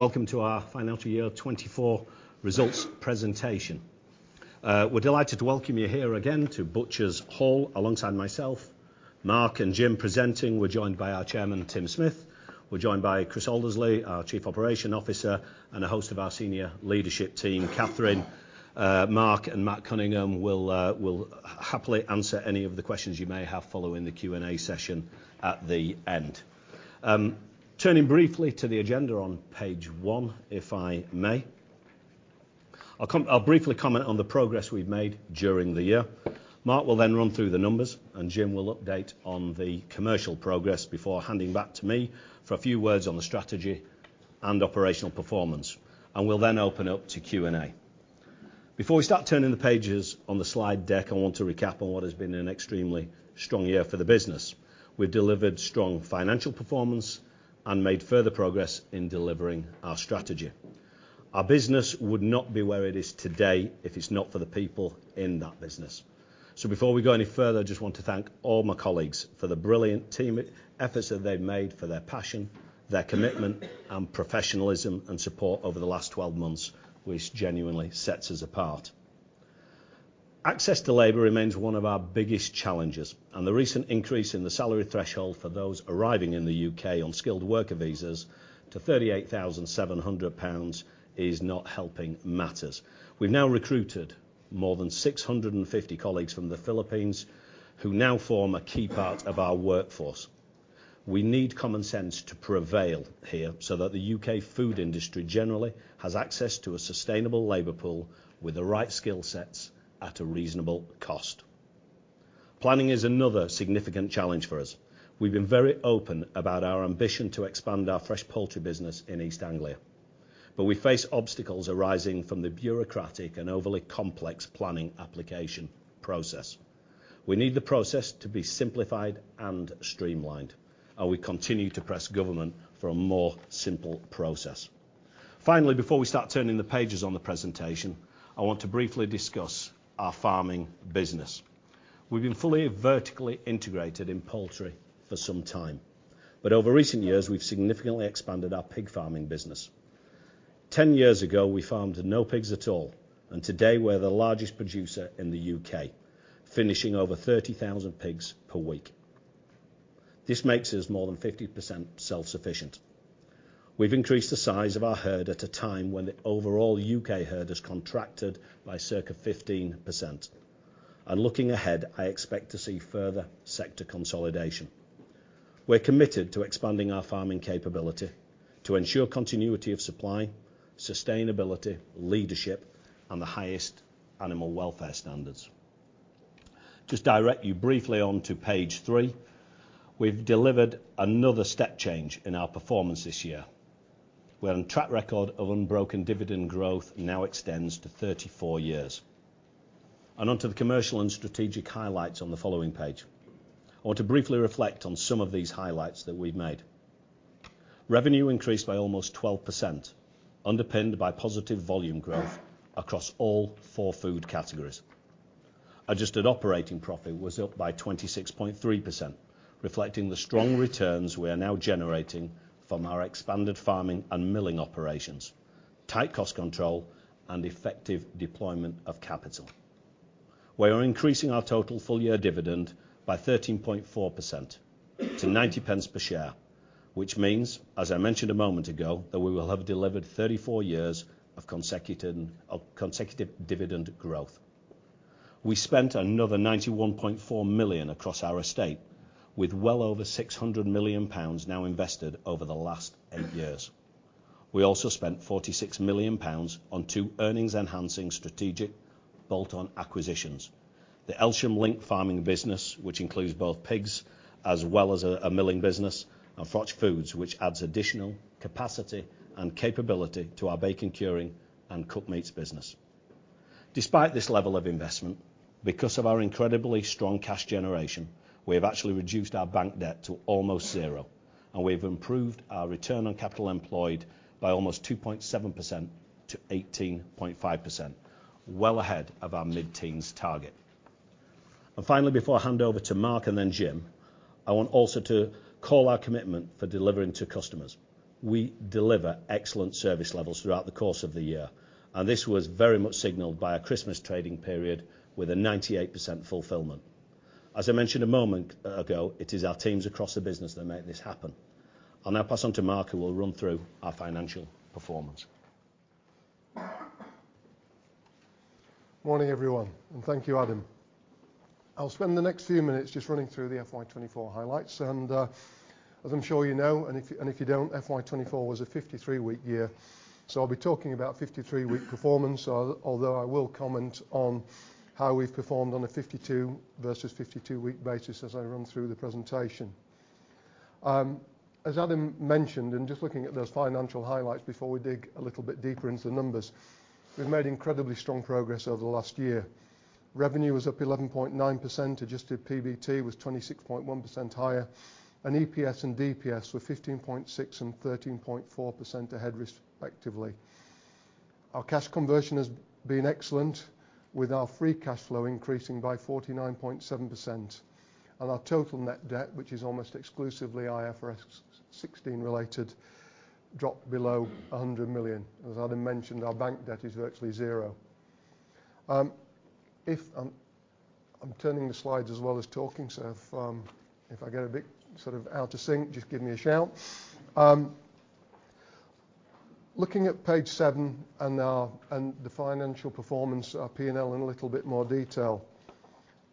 Welcome to our Financial Year 2024 Results Presentation. We're delighted to welcome you here again to Butchers' Hall, alongside myself, Mark, and Jim presenting. We're joined by our chairman, Tim Smith. We're joined by Chris Aldersley, our Chief Operating Officer, and a host of our senior leadership team. Catherine, Mark, and Matt Cunningham will happily answer any of the questions you may have following the Q&A session at the end. Turning briefly to the agenda on page one, if I may. I'll briefly comment on the progress we've made during the year. Mark will then run through the numbers, and Jim will update on the commercial progress before handing back to me for a few words on the strategy and operational performance, and we'll then open up to Q&A. Before we start turning the pages on the slide deck, I want to recap on what has been an extremely strong year for the business. We've delivered strong financial performance and made further progress in delivering our strategy. Our business would not be where it is today if it's not for the people in that business. So before we go any further, I just want to thank all my colleagues for the brilliant team efforts that they've made, for their passion, their commitment, and professionalism and support over the last twelve months, which genuinely sets us apart. Access to labor remains one of our biggest challenges, and the recent increase in the salary threshold for those arriving in the U.K. on Skilled Worker visas to 38,700 pounds is not helping matters. We've now recruited more than 650 colleagues from the Philippines, who now form a key part of our workforce. We need common sense to prevail here, so that the U.K. food industry generally has access to a sustainable labor pool with the right skill sets at a reasonable cost. Planning is another significant challenge for us. We've been very open about our ambition to expand our fresh poultry business in East Anglia, but we face obstacles arising from the bureaucratic and overly complex planning application process. We need the process to be simplified and streamlined, and we continue to press government for a more simple process. Finally, before we start turning the pages on the presentation, I want to briefly discuss our farming business. We've been fully vertically integrated in poultry for some time, but over recent years, we've significantly expanded our pig farming business. 10 years ago, we farmed no pigs at all, and today we're the largest producer in the U.K., finishing over 30,000 pigs per week. This makes us more than 50% self-sufficient. We've increased the size of our herd at a time when the overall U.K. herd has contracted by circa 15%. And looking ahead, I expect to see further sector consolidation. We're committed to expanding our farming capability to ensure continuity of supply, sustainability, leadership, and the highest animal welfare standards. Just direct you briefly on to page three. We've delivered another step change in our performance this year, where our track record of unbroken dividend growth now extends to 34 years. And on to the commercial and strategic highlights on the following page. I want to briefly reflect on some of these highlights that we've made. Revenue increased by almost 12%, underpinned by positive volume growth across all four food categories. Adjusted Operating Profit was up by 26.3%, reflecting the strong returns we are now generating from our expanded farming and milling operations, tight cost control, and effective deployment of capital. We are increasing our total full-year dividend by 13.4% to 90 pence per share, which means, as I mentioned a moment ago, that we will have delivered 34 years of consecutive dividend growth. We spent another 91.4 million across our estate, with well over 600 million pounds now invested over the last eight years. We also spent 46 million pounds on two earnings-enhancing strategic bolt-on acquisitions. The Elsham Linc farming business, which includes both pigs as well as a milling business, and Froch Foods, which adds additional capacity and capability to our bacon curing and cooked meats business. Despite this level of investment, because of our incredibly strong cash generation, we have actually reduced our bank debt to almost zero, and we've improved our return on capital employed by almost 2.7%-18.5%, well ahead of our mid-teens target. Finally, before I hand over to Mark and then Jim, I want also to call our commitment for delivering to customers. We deliver excellent service levels throughout the course of the year, and this was very much signaled by a Christmas trading period with a 98% fulfillment. As I mentioned a moment ago, it is our teams across the business that make this happen. I'll now pass on to Mark, who will run through our financial performance. Morning, everyone, and thank you, Adam. I'll spend the next few minutes just running through the FY 2024 highlights. As I'm sure you know, and if you don't, FY 2024 was a 53-week year, so I'll be talking about 53-week performance, although I will comment on how we've performed on a 52 versus 52-week basis as I run through the presentation. As Adam mentioned, and just looking at those financial highlights before we dig a little bit deeper into the numbers, we've made incredibly strong progress over the last year. Revenue was up 11.9%. Adjusted PBT was 26.1% higher, and EPS and DPS were 15.6% and 13.4% ahead, respectively. Our cash conversion has been excellent, with our free cash flow increasing by 49.7%. Our total net debt, which is almost exclusively IFRS 16 related, dropped below 100 million. As Adam mentioned, our bank debt is virtually zero. If I'm turning the slides as well as talking, so if I get a bit sort of out of sync, just give me a shout. Looking at page seven and our, and the financial performance, our P&L in a little bit more detail.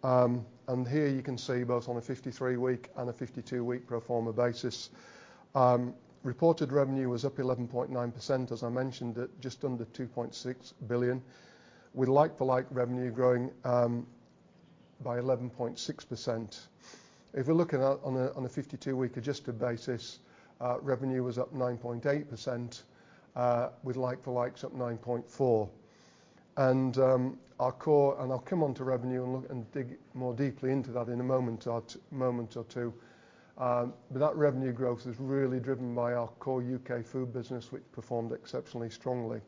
Here you can see both on a 53-week and a 52-week pro forma basis. Reported revenue was up 11.9%, as I mentioned, at just under 2.6 billion, with like-for-like revenue growing by 11.6%. If we're looking at a 52-week adjusted basis, revenue was up 9.8%, with like-for-likes up 9.4%. And I'll come on to revenue and look, and dig more deeply into that in a moment or a moment or two. But that revenue growth is really driven by our core U.K. food business, which performed exceptionally strongly.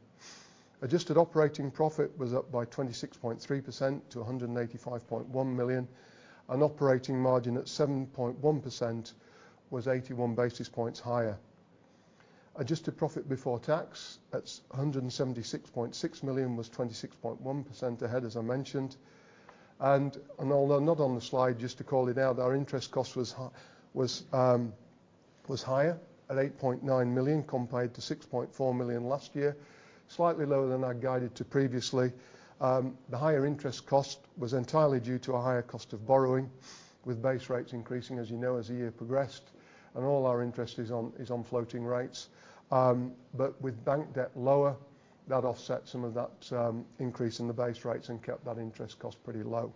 Adjusted operating profit was up by 26.3% to 185.1 million. And operating margin at 7.1% was 81 basis points higher. Adjusted profit before tax, at 176.6 million, was 26.1% ahead, as I mentioned. And although not on the slide, just to call it out, our interest cost was higher at 8.9 million, compared to 6.4 million last year, slightly lower than I guided to previously. The higher interest cost was entirely due to a higher cost of borrowing, with base rates increasing, as you know, as the year progressed, and all our interest is on floating rates. But with bank debt lower, that offset some of that increase in the base rates and kept that interest cost pretty low.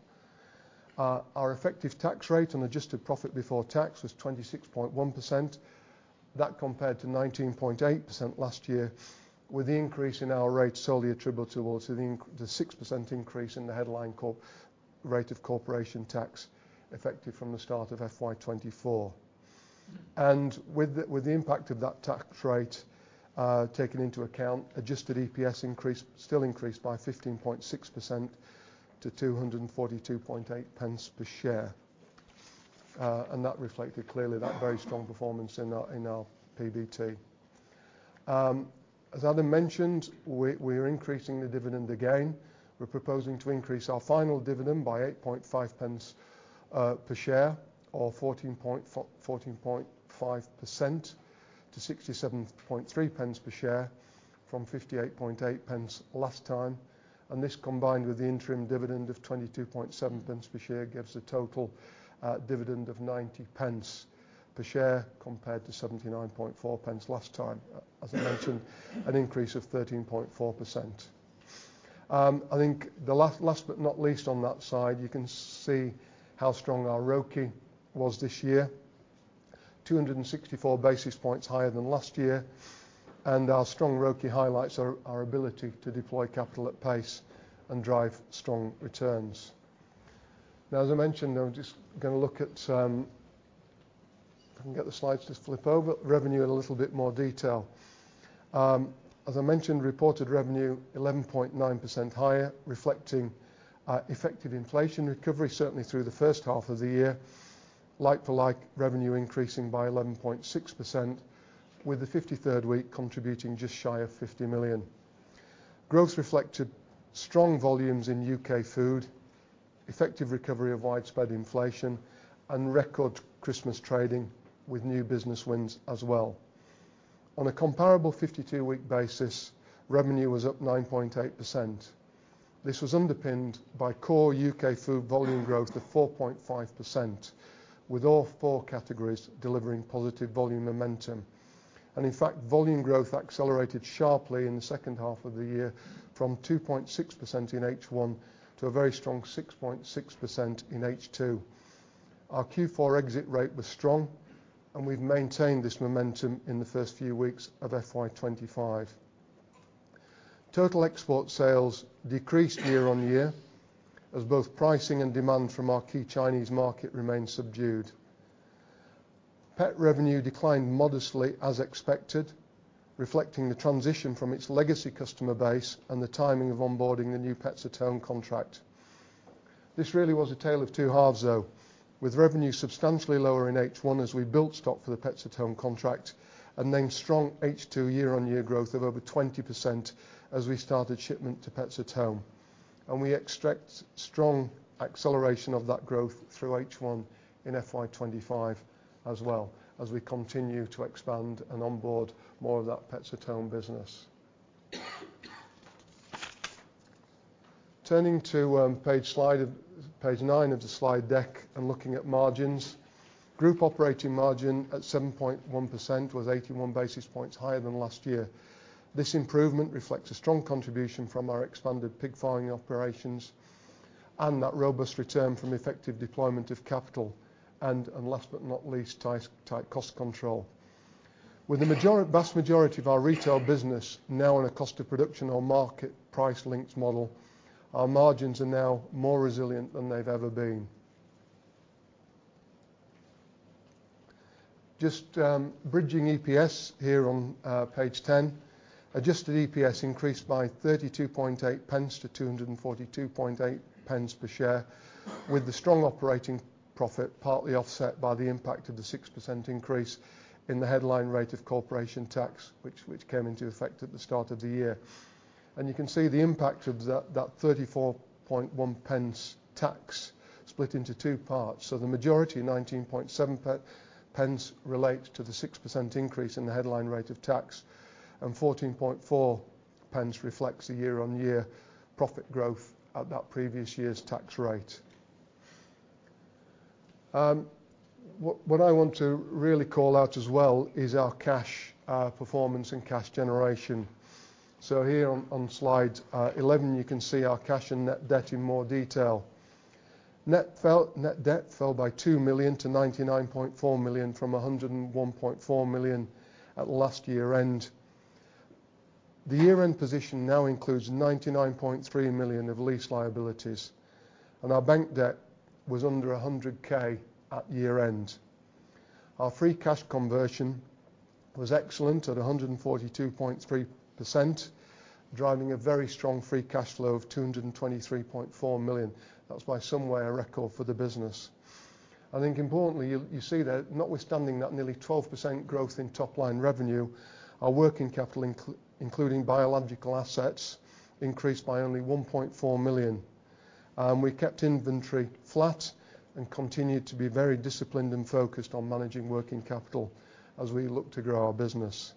Our effective tax rate on adjusted profit before tax was 26.1%. That compared to 19.8% last year, with the increase in our rate solely attributable to the 6% increase in the headline rate of corporation tax, effective from the start of FY 2024. And with the impact of that tax rate taken into account, adjusted EPS increased, still increased by 15.6% to 242.8 pence per share. And that reflected clearly that very strong performance in our, in our PBT. As Adam mentioned, we, we are increasing the dividend again. We're proposing to increase our final dividend by 0.085 per share, or 14.5% to 0.673 per share from 0.588 last time. And this, combined with the interim dividend of 0.227 per share, gives a total dividend of 0.90 per share, compared to 0.794 last time. As I mentioned, an increase of 13.4%. I think the last but not least, on that side, you can see how strong our ROCE was this year, 264 basis points higher than last year, and our strong ROCE highlights our ability to deploy capital at pace and drive strong returns. Now, as I mentioned, I'm just going to look at, if I can get the slides to flip over, revenue in a little bit more detail. As I mentioned, reported revenue 11.9% higher, reflecting effective inflation recovery, certainly through the first half of the year. Like-for-like revenue increasing by 11.6%, with the 53rd week contributing just shy of 50 million. Growth reflected strong volumes in U.K. food, effective recovery of widespread inflation, and record Christmas trading, with new business wins as well. On a comparable 52-week basis, revenue was up 9.8%. This was underpinned by core U.K. food volume growth of 4.5%, with all four categories delivering positive volume momentum. And in fact, volume growth accelerated sharply in the second half of the year, from 2.6% in H1 to a very strong 6.6% in H2. Our Q4 exit rate was strong, and we've maintained this momentum in the first few weeks of FY 2025. Total export sales decreased year-on-year, as both pricing and demand from our key Chinese market remained subdued. Pet revenue declined modestly as expected, reflecting the transition from its legacy customer base and the timing of onboarding the new Pets at Home contract. This really was a tale of two halves, though, with revenue substantially lower in H1 as we built stock for the Pets at Home contract, and then strong H2 year-on-year growth of over 20% as we started shipment to Pets at Home. We expect strong acceleration of that growth through H1 in FY 2025 as well, as we continue to expand and onboard more of that Pets at Home business. Turning to page nine of the slide deck and looking at margins. Group operating margin at 7.1% was 81 basis points higher than last year. This improvement reflects a strong contribution from our expanded pig farming operations and that robust return from effective deployment of capital and last but not least, tight cost control. With the vast majority of our retail business now in a cost of production or market price links model, our margins are now more resilient than they've ever been. Just bridging EPS here on page 10. Adjusted EPS increased by 0.328-2.428 per share, with the strong operating profit, partly offset by the impact of the 6% increase in the headline rate of corporation tax, which came into effect at the start of the year. And you can see the impact of that 0.341 tax split into two parts. So the majority, 0.197, relates to the 6% increase in the headline rate of tax, and 0.144 reflects the year-on-year profit growth at that previous year's tax rate. What I want to really call out as well is our cash performance and cash generation. So here on slide 11, you can see our cash and Net Debt in more detail. Net Debt fell by 2 million-99.4 million, from 101.4 million at last year-end. The year-end position now includes 99.3 million of lease liabilities, and our bank debt was under 100K at year-end. Our free cash conversion was excellent, at 142.3%, driving a very strong free cash flow of 223.4 million. That was, by some way, a record for the business. I think importantly, you'll, you see that notwithstanding that nearly 12% growth in top line revenue, our working capital, including biological assets, increased by only 1.4 million. We kept inventory flat and continued to be very disciplined and focused on managing working capital as we look to grow our business.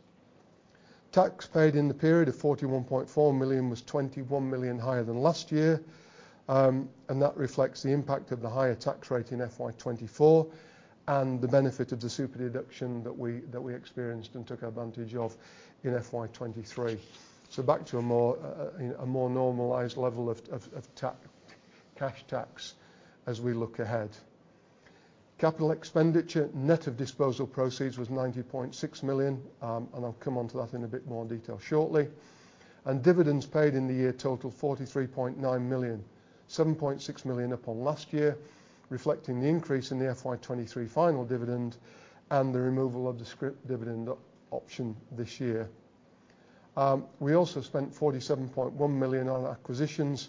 Tax paid in the period of 41.4 million was 21 million higher than last year, and that reflects the impact of the higher tax rate in FY 2024, and the benefit of the super deduction that we, that we experienced and took advantage of in FY 2023. So back to a more, you know, a more normalized level of, of, of cash tax as we look ahead. Capital expenditure, net of disposal proceeds, was 90.6 million, and I'll come onto that in a bit more detail shortly. Dividends paid in the year total 43.9 million, 7.6 million up on last year, reflecting the increase in the FY 2023 final dividend and the removal of the scrip dividend option this year. We also spent 47.1 million on acquisitions,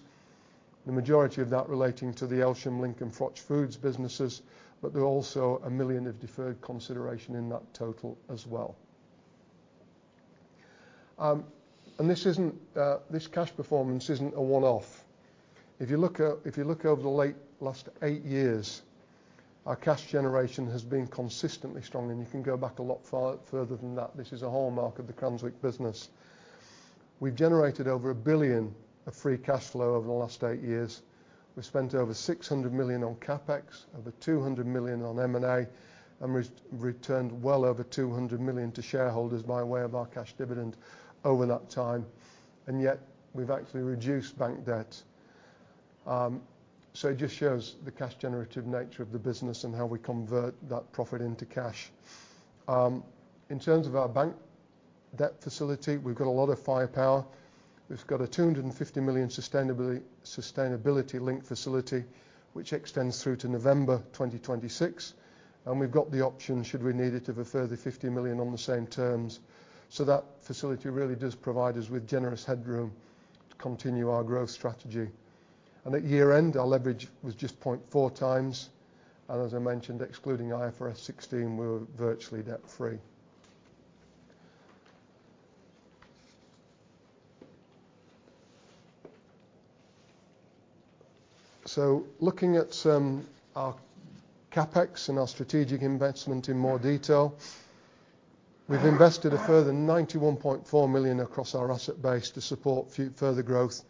the majority of that relating to the Elsham Linc, Froch Foods businesses, but there are also 1 million of deferred consideration in that total as well. This isn't, this cash performance isn't a one-off. If you look at, if you look over the last eight years, our cash generation has been consistently strong, and you can go back a lot further than that. This is a hallmark of the Cranswick business. We've generated over 1 billion of free cash flow over the last eight years. We've spent over 600 million on CapEx, over 200 million on M&A, and returned well over 200 million to shareholders by way of our cash dividend over that time, and yet we've actually reduced bank debt. So it just shows the cash-generative nature of the business and how we convert that profit into cash. In terms of our bank debt facility, we've got a lot of firepower. We've got a 250 million sustainability-linked facility, which extends through to November 2026, and we've got the option, should we need it, of a further 50 million on the same terms. So that facility really does provide us with generous headroom to continue our growth strategy. At year-end, our leverage was just 0.4x, and as I mentioned, excluding IFRS 16, we were virtually debt-free. Looking at our CapEx and our strategic investment in more detail, we've invested a further 91.4 million across our asset base to support further growth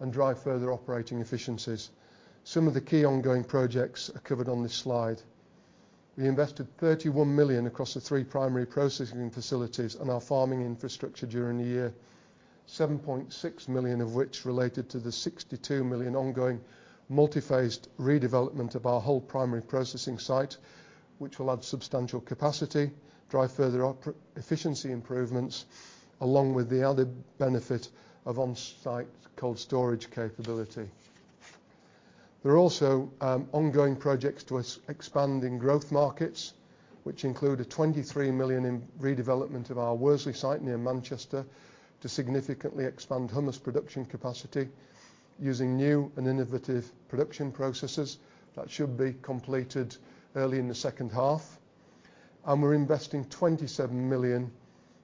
and drive further operating efficiencies. Some of the key ongoing projects are covered on this slide. We invested 31 million across the three primary processing facilities and our farming infrastructure during the year, 7.6 million of which related to the 62 million ongoing multiphased redevelopment of our whole primary processing site, which will add substantial capacity, drive further efficiency improvements, along with the added benefit of on-site cold storage capability. There are also ongoing projects to expanding growth markets, which include a 23 million redevelopment of our Worsley site near Manchester, to significantly expand hummus production capacity using new and innovative production processes. That should be completed early in the second half. We're investing 27 million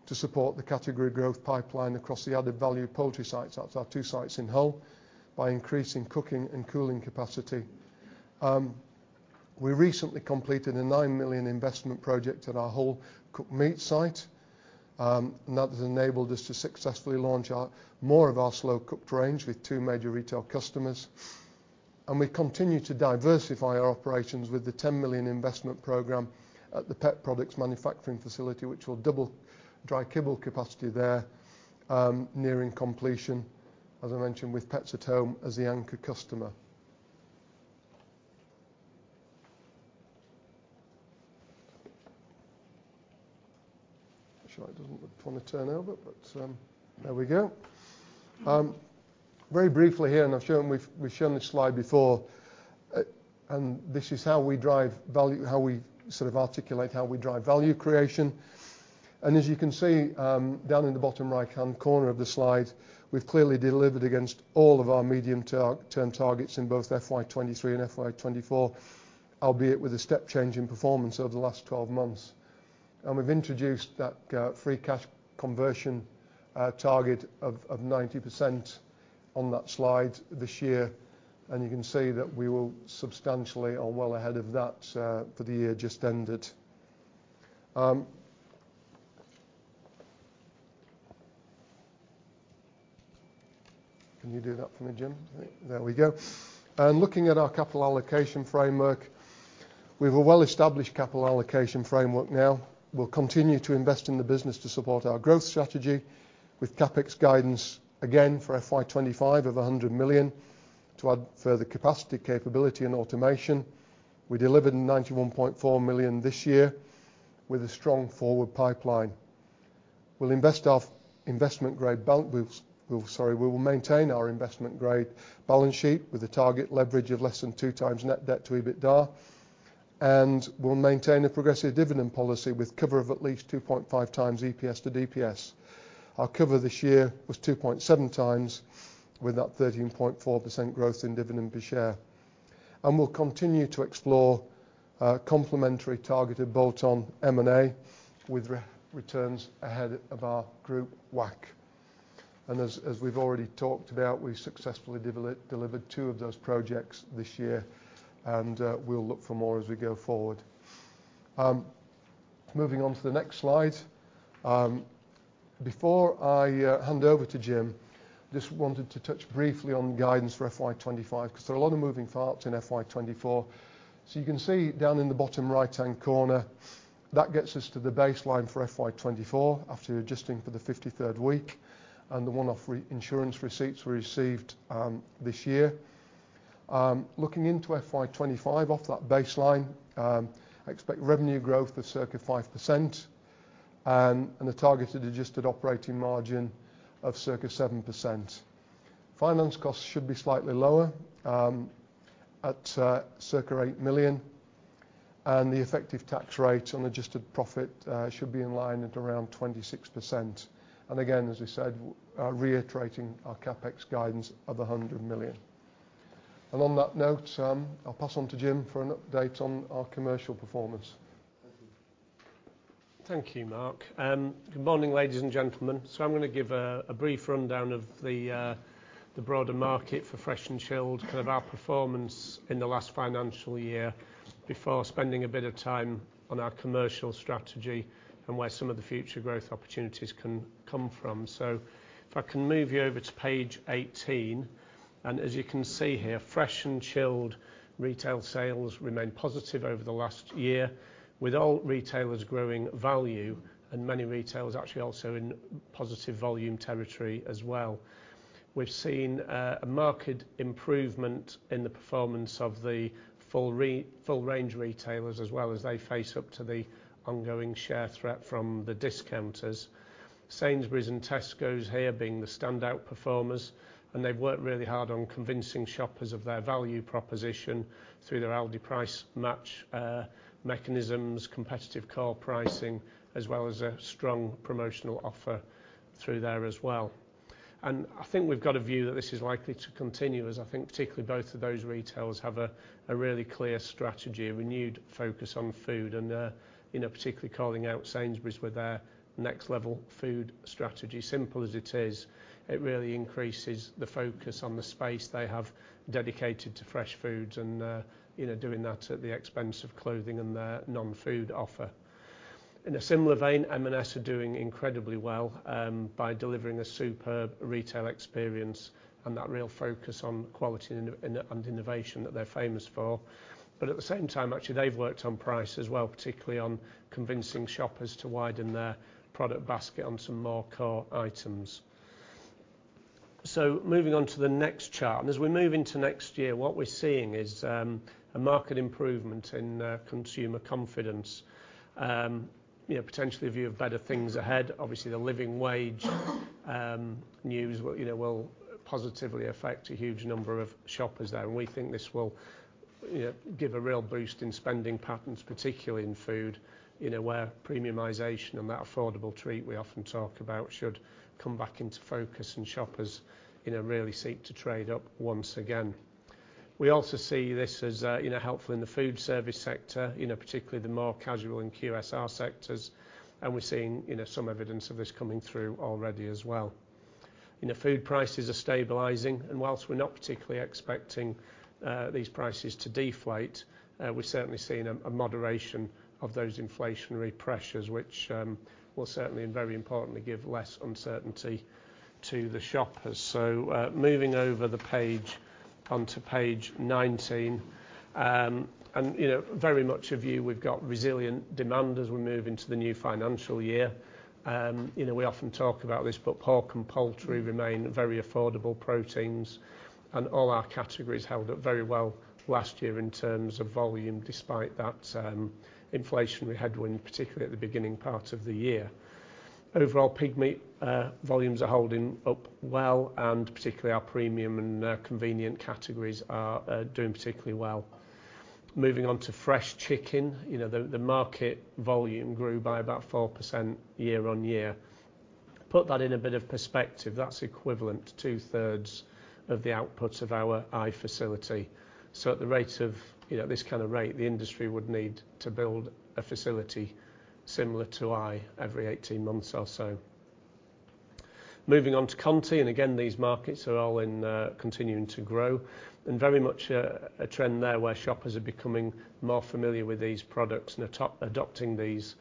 to support the category growth pipeline across the added value poultry sites, that's our two sites in Hull, by increasing cooking and cooling capacity. We recently completed a 9 million investment project at our Hull cooked meat site, and that has enabled us to successfully launch more of our slow-cooked range with two major retail customers. We continue to diversify our operations with the 10 million investment program at the pet products manufacturing facility, which will double dry kibble capacity there, nearing completion, as I mentioned, with Pets at Home as the anchor customer. Actually, it doesn't want to turn over, but, there we go. Very briefly here, and I've shown we've, we've shown this slide before, and this is how we drive value, how we sort of articulate how we drive value creation. And as you can see, down in the bottom right-hand corner of the slide, we've clearly delivered against all of our medium-term targets in both FY 2023 and FY 2024, albeit with a step change in performance over the last 12 months. And we've introduced that, free cash conversion target of 90% on that slide this year, and you can see that we will substantially are well ahead of that, for the year just ended. Can you do that for me, Jim? There we go. Looking at our capital allocation framework, we've a well-established capital allocation framework now. We'll continue to invest in the business to support our growth strategy with CapEx guidance, again, for FY 2025, of 100 million, to add further capacity, capability, and automation. We delivered 91.4 million this year with a strong forward pipeline. We will maintain our investment-grade balance sheet with a target leverage of less than 2x net debt to EBITDA. We'll maintain a progressive dividend policy with cover of at least 2.5x EPS to DPS. Our cover this year was 2.7x, with that 13.4% growth in dividend per share. We'll continue to explore complementary targeted bolt-on M&A with returns ahead of our group WACC. And as we've already talked about, we successfully delivered two of those projects this year, and we'll look for more as we go forward. Moving on to the next slide, before I hand over to Jim, just wanted to touch briefly on guidance for FY 2025, because there are a lot of moving parts in FY 2024. So you can see down in the bottom right-hand corner, that gets us to the baseline for FY 2024, after adjusting for the 53rd week, and the one-off reinsurance receipts we received this year. Looking into FY 2025, off that baseline, I expect revenue growth of circa 5%, and a targeted adjusted operating margin of circa 7%. Finance costs should be slightly lower, at circa 8 million, and the effective tax rate on adjusted profit should be in line at around 26%. And again, as we said, reiterating our CapEx guidance of 100 million. And on that note, I'll pass on to Jim for an update on our commercial performance. Thank you. Thank you, Mark. Good morning, ladies and gentlemen. I'm going to give a brief rundown of the broader market for fresh and chilled and of our performance in the last financial year before spending a bit of time on our commercial strategy and where some of the future growth opportunities can come from. If I can move you over to page 18, and as you can see here, fresh and chilled retail sales remained positive over the last year, with all retailers growing value and many retailers actually also in positive volume territory as well. We've seen a marked improvement in the performance of the full range retailers, as well as they face up to the ongoing share threat from the discounters. Sainsbury's and Tesco's here being the standout performers, and they've worked really hard on convincing shoppers of their value proposition through their Aldi Price Match, mechanisms, competitive core pricing, as well as a strong promotional offer through there as well. And I think we've got a view that this is likely to continue, as I think particularly both of those retailers have a really clear strategy, a renewed focus on food, and, you know, particularly calling out Sainsbury's with their Next Level food strategy. Simple as it is, it really increases the focus on the space they have dedicated to fresh foods and, you know, doing that at the expense of clothing and their non-food offer. In a similar vein, M&S are doing incredibly well, by delivering a superb retail experience and that real focus on quality and innovation that they're famous for. But at the same time, actually, they've worked on price as well, particularly on convincing shoppers to widen their product basket on some more core items. So moving on to the next chart, and as we move into next year, what we're seeing is a market improvement in consumer confidence. You know, potentially a view of better things ahead. Obviously, the Living Wage news, you know, will positively affect a huge number of shoppers there, and we think this will, you know, give a real boost in spending patterns, particularly in food, you know, where premiumization and that affordable treat we often talk about should come back into focus and shoppers, you know, really seek to trade up once again. We also see this as, you know, helpful in the food service sector, you know, particularly the more casual and QSR sectors, and we're seeing, you know, some evidence of this coming through already as well. You know, food prices are stabilizing, and whilst we're not particularly expecting these prices to deflate, we're certainly seeing a moderation of those inflationary pressures, which will certainly, and very importantly, give less uncertainty to the shoppers. So, moving over the page onto page 19, and, you know, very much of you, we've got resilient demand as we move into the new financial year. You know, we often talk about this, but pork and poultry remain very affordable proteins, and all our categories held up very well last year in terms of volume, despite that inflationary headwind, particularly at the beginning part of the year. Overall, pig meat volumes are holding up well and particularly our premium and convenient categories are doing particularly well. Moving on to fresh chicken, you know, the market volume grew by about 4% year-on-year. Put that in a bit of perspective, that's equivalent to two-thirds of the outputs of our Eye facility. So at the rate of, you know, this kind of rate, the industry would need to build a facility similar to Eye every 18 months or so. Moving on to Continental, and again, these markets are all in continuing to grow, and very much a trend there where shoppers are becoming more familiar with these products and adopting these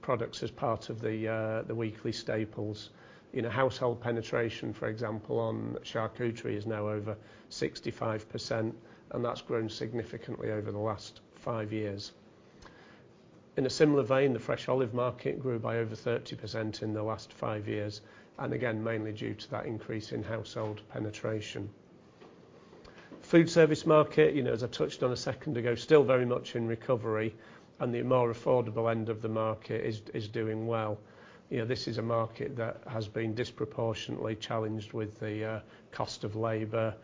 products as part of the weekly staples. In a household penetration, for example, on charcuterie is now over 65%, and that's grown significantly over the last five years. In a similar vein, the fresh olive market grew by over 30% in the last five years, and again, mainly due to that increase in household penetration. Food service market, you know, as I touched on a second ago, still very much in recovery, and the more affordable end of the market is doing well. You know, this is a market that has been disproportionately challenged with the cost of labor,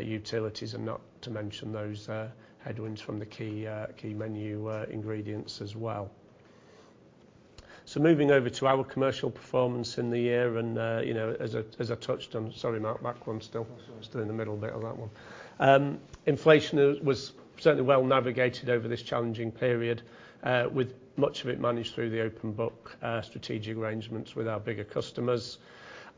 utilities, and not to mention those headwinds from the key menu ingredients as well. So moving over to our commercial performance in the year, and, you know, as I touched on. Sorry, Mark, that one still in the middle bit of that one. Inflation was certainly well navigated over this challenging period, with much of it managed through the open book strategic arrangements with our bigger customers.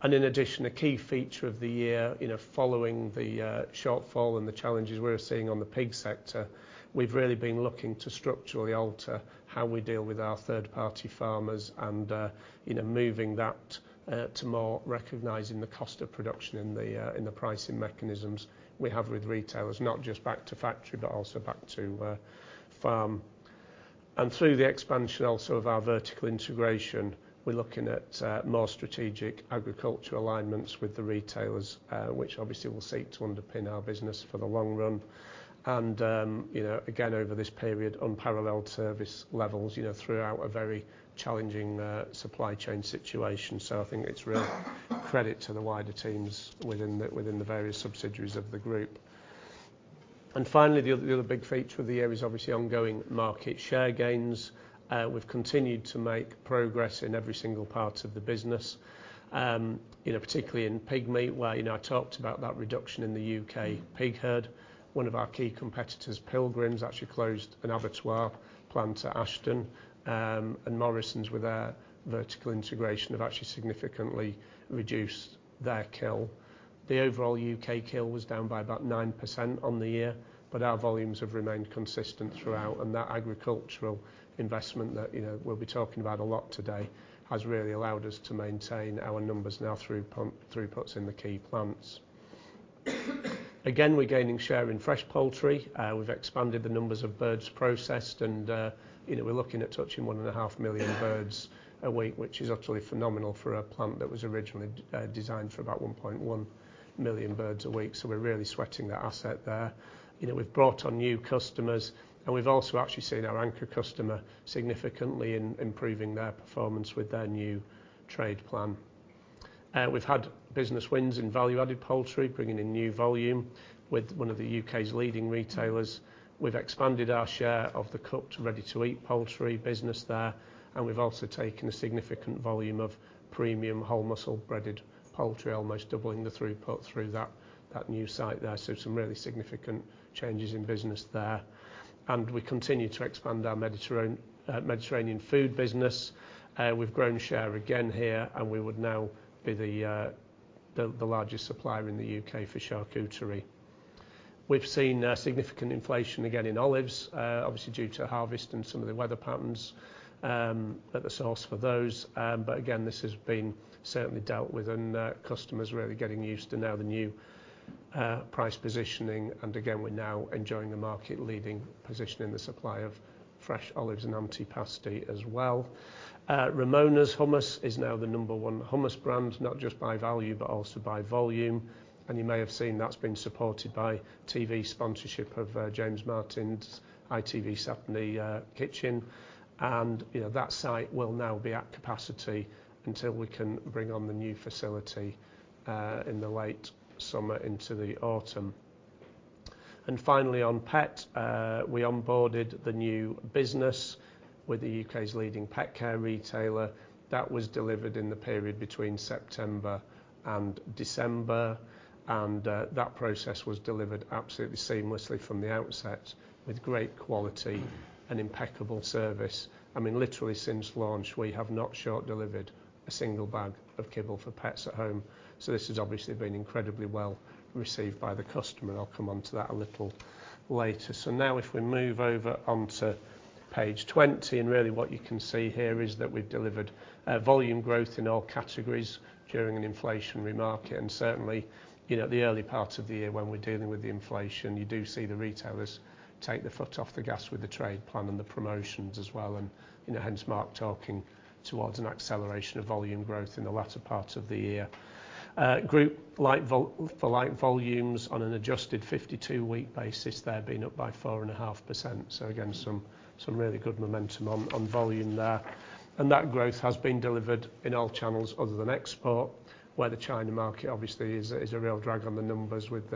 In addition, a key feature of the year, you know, following the shortfall and the challenges we're seeing on the pig sector, we've really been looking to structurally alter how we deal with our third-party farmers and, you know, moving that to more recognizing the cost of production in the pricing mechanisms we have with retailers, not just back to factory, but also back to farm. Through the expansion also of our vertical integration, we're looking at more strategic agricultural alignments with the retailers, which obviously will seek to underpin our business for the long run. And, you know, again, over this period, unparalleled service levels, you know, throughout a very challenging, supply chain situation. So I think it's real credit to the wider teams within the, within the various subsidiaries of the group. And finally, the other, the other big feature of the year is obviously ongoing market share gains. We've continued to make progress in every single part of the business, you know, particularly in pig meat, where, you know, I talked about that reduction in the U.K. pig herd. One of our key competitors, Pilgrim's, actually closed an abattoir plant to Ashton, and Morrisons, with their vertical integration, have actually significantly reduced their kill. The overall U.K. kill was down by about 9% on the year, but our volumes have remained consistent throughout. That agricultural investment that, you know, we'll be talking about a lot today has really allowed us to maintain our numbers now through throughputs in the key plants. Again, we're gaining share in fresh poultry. We've expanded the numbers of birds processed, and, you know, we're looking at touching 1.5 million birds a week, which is utterly phenomenal for a plant that was originally designed for about 1.1 million birds a week. So we're really sweating that asset there. You know, we've brought on new customers, and we've also actually seen our anchor customer significantly improving their performance with their new trade plan. We've had business wins in value-added poultry, bringing in new volume with one of the U.K.'s leading retailers. We've expanded our share of the cooked, ready-to-eat poultry business there, and we've also taken a significant volume of premium whole muscle breaded poultry, almost doubling the throughput through that new site there. So some really significant changes in business there. We continue to expand our Mediterranean food business. We've grown share again here, and we would now be the largest supplier in the U.K. for charcuterie. We've seen a significant inflation again in olives, obviously due to harvest and some of the weather patterns, at the source for those. But again, this has been certainly dealt with, and customers are really getting used to now the new price positioning. Again, we're now enjoying a market-leading position in the supply of fresh olives and antipasti as well. Ramona's hummus is now the number one hummus brand, not just by value, but also by volume. And you may have seen that's been supported by TV sponsorship of James Martin's ITV Saturday Morning. And, you know, that site will now be at capacity until we can bring on the new facility in the late summer into the autumn. And finally, on pet, we onboarded the new business with the U.K.'s leading pet care retailer. That was delivered in the period between September and December, and that process was delivered absolutely seamlessly from the outset with great quality and impeccable service. I mean, literally since launch, we have not short delivered a single bag of kibble for Pets at Home. So this has obviously been incredibly well received by the customer, and I'll come onto that a little later. So now if we move over onto page 20, and really what you can see here is that we've delivered volume growth in all categories during an inflationary market. And certainly, you know, the early parts of the year when we're dealing with the inflation, you do see the retailers take their foot off the gas with the trade plan and the promotions as well, and, you know, hence, Mark talking towards an acceleration of volume growth in the latter part of the year. For light volumes on an adjusted 52-week basis, they're being up by 4.5%. So again, some, some really good momentum on, on volume there. And that growth has been delivered in all channels other than export, where the China market obviously is a real drag on the numbers with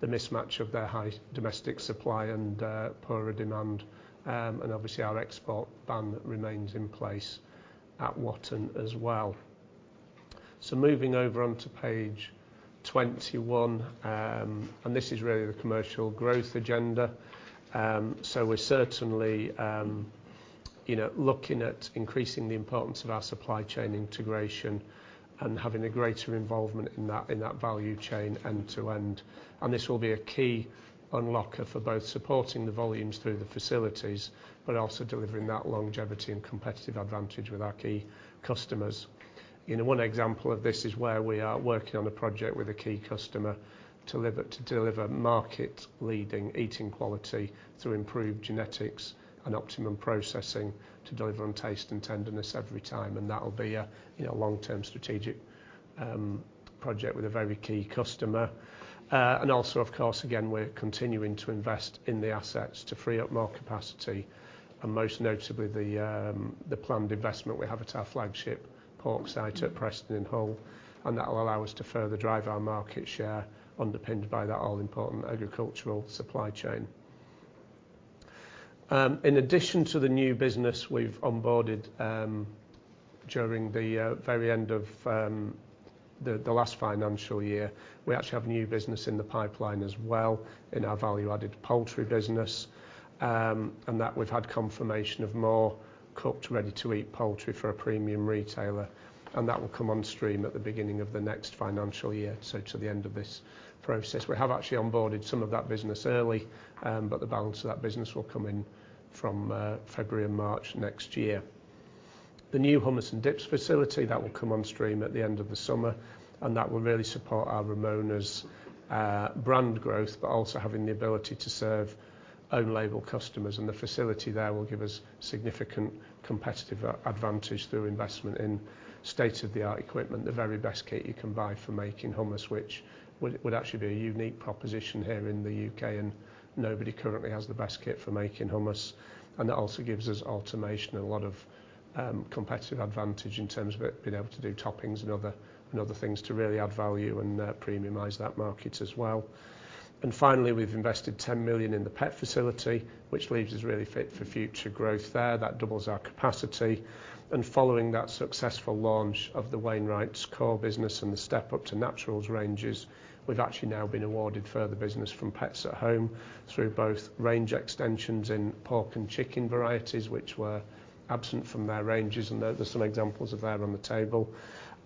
the mismatch of their high domestic supply and poorer demand. And obviously, our export ban remains in place at Watton as well. So moving over onto page 21, and this is really the commercial growth agenda. So we're certainly, you know, looking at increasing the importance of our supply chain integration and having a greater involvement in that value chain end-to-end. And this will be a key unlocker for both supporting the volumes through the facilities, but also delivering that longevity and competitive advantage with our key customers. You know, one example of this is where we are working on a project with a key customer to deliver, to deliver market-leading eating quality through improved genetics and optimum processing to deliver on taste and tenderness every time. And that will be a, you know, long-term strategic project with a very key customer. And also, of course, again, we're continuing to invest in the assets to free up more capacity, and most notably, the planned investment we have at our flagship pork site at Preston in Hull, and that will allow us to further drive our market share, underpinned by that all-important agricultural supply chain. In addition to the new business we've onboarded during the very end of the last financial year, we actually have new business in the pipeline as well in our value-added poultry business. And that we've had confirmation of more cooked, ready-to-eat poultry for a premium retailer, and that will come on stream at the beginning of the next financial year, so to the end of this process. We have actually onboarded some of that business early, but the balance of that business will come in from February and March next year. The new hummus and dips facility, that will come on stream at the end of the summer, and that will really support our Ramona's brand growth, but also having the ability to serve own label customers. And the facility there will give us significant competitive advantage through investment in state-of-the-art equipment, the very best kit you can buy for making hummus, which would actually be a unique proposition here in the U.K., and nobody currently has the best kit for making hummus. That also gives us automation and a lot of competitive advantage in terms of it being able to do toppings and other things to really add value and premiumize that market as well. Finally, we've invested 10 million in the pet facility, which leaves us really fit for future growth there. That doubles our capacity. Following that successful launch of the Wainwright's core business and the step-up to Naturals ranges, we've actually now been awarded further business from Pets at Home through both range extensions in pork and chicken varieties, which were absent from their ranges, and there are some examples of that on the table.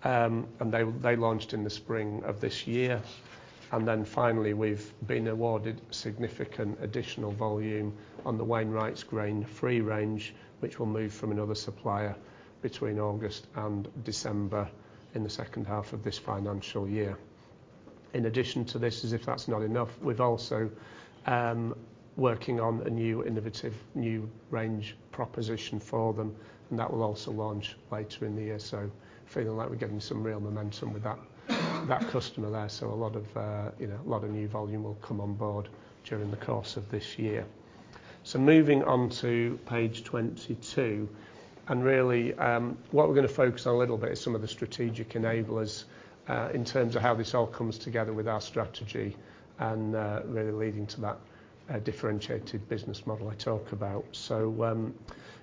They launched in the spring of this year. And then finally, we've been awarded significant additional volume on the Wainwright's grain-free range, which will move from another supplier between August and December, in the second half of this financial year. In addition to this, as if that's not enough, we've also working on a new innovative, new range proposition for them, and that will also launch later in the year. So feeling like we're getting some real momentum with that, that customer there. So a lot of, you know, a lot of new volume will come on board during the course of this year. So moving on to page 22, and really, what we're gonna focus on a little bit is some of the strategic enablers, in terms of how this all comes together with our strategy and really leading to that, differentiated business model I talk about. So,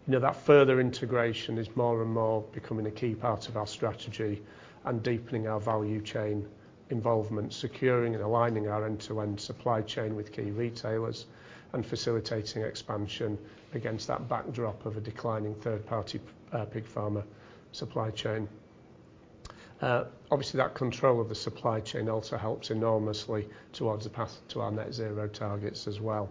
you know, that further integration is more and more becoming a key part of our strategy and deepening our value chain involvement, securing and aligning our end-to-end supply chain with key retailers and facilitating expansion against that backdrop of a declining third-party pig farmer supply chain. Obviously, that control of the supply chain also helps enormously towards the path to our net zero targets as well.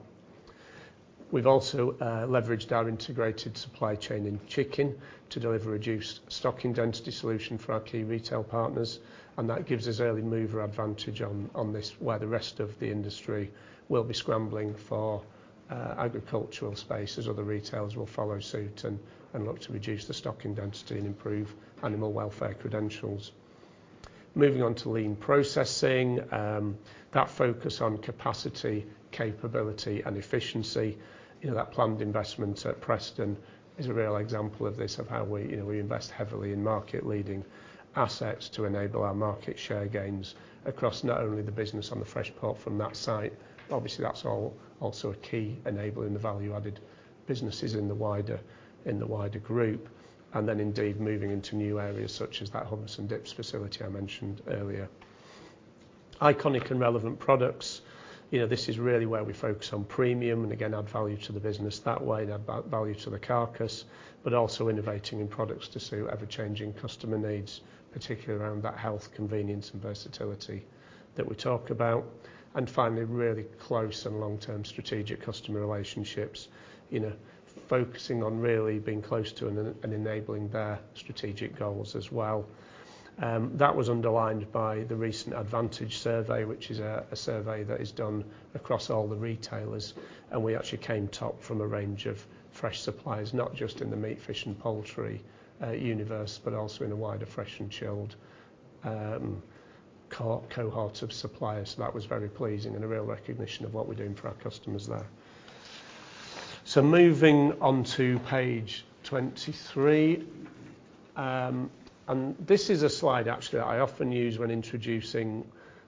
We've also leveraged our integrated supply chain in chicken to deliver a reduced stocking density solution for our key retail partners, and that gives us early mover advantage on this, where the rest of the industry will be scrambling for agricultural space as other retailers will follow suit and look to reduce the stocking density and improve animal welfare credentials. Moving on to lean processing, that focus on capacity, capability, and efficiency, you know, that planned investment at Preston is a real example of this, of how we, you know, we invest heavily in market-leading assets to enable our market share gains across not only the business on the fresh pork from that site, obviously, that's also a key enabler in the value-added businesses in the wider, in the wider group, and then indeed, moving into new areas such as that hummus and dips facility I mentioned earlier. Iconic and relevant products. You know, this is really where we focus on premium and again, add value to the business that way, and add value to the carcass, but also innovating in products to suit ever-changing customer needs, particularly around that health, convenience, and versatility that we talk about. And finally, really close and long-term strategic customer relationships, you know, focusing on really being close to and enabling their strategic goals as well. That was underlined by the recent Advantage Survey, which is a survey that is done across all the retailers, and we actually came top from a range of fresh suppliers, not just in the meat, fish, and poultry universe, but also in a wider fresh and chilled cohort of suppliers. So that was very pleasing and a real recognition of what we're doing for our customers there. So moving on to page 23, and this is a slide, actually, I often use when introducing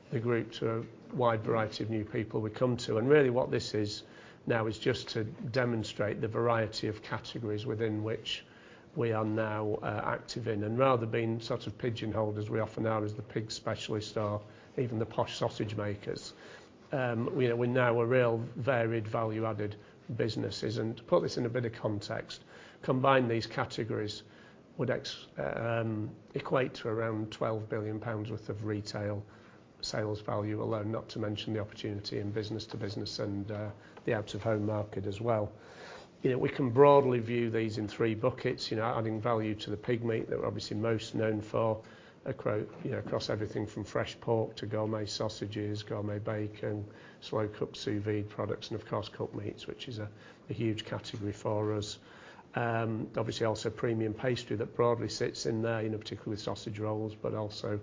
the group to a wide variety of new people we come to. And really, what this is now is just to demonstrate the variety of categories within which we are now active in. Rather than being sort of pigeonholed, as we often are, as the pig specialist or even the posh sausage makers, we are, we're now a real varied, value-added businesses. To put this in a bit of context, combine these categories would equate to around 12 billion pounds worth of retail sales value alone, not to mention the opportunity in business to business and the out of home market as well. You know, we can broadly view these in three buckets, you know, adding value to the pig meat that we're obviously most known for, across, you know, across everything from fresh pork to gourmet sausages, gourmet bacon, slow-cooked sous vide products, and of course, cooked meats, which is a, a huge category for us. Obviously, also premium pastry that broadly sits in there, you know, particularly sausage rolls, but also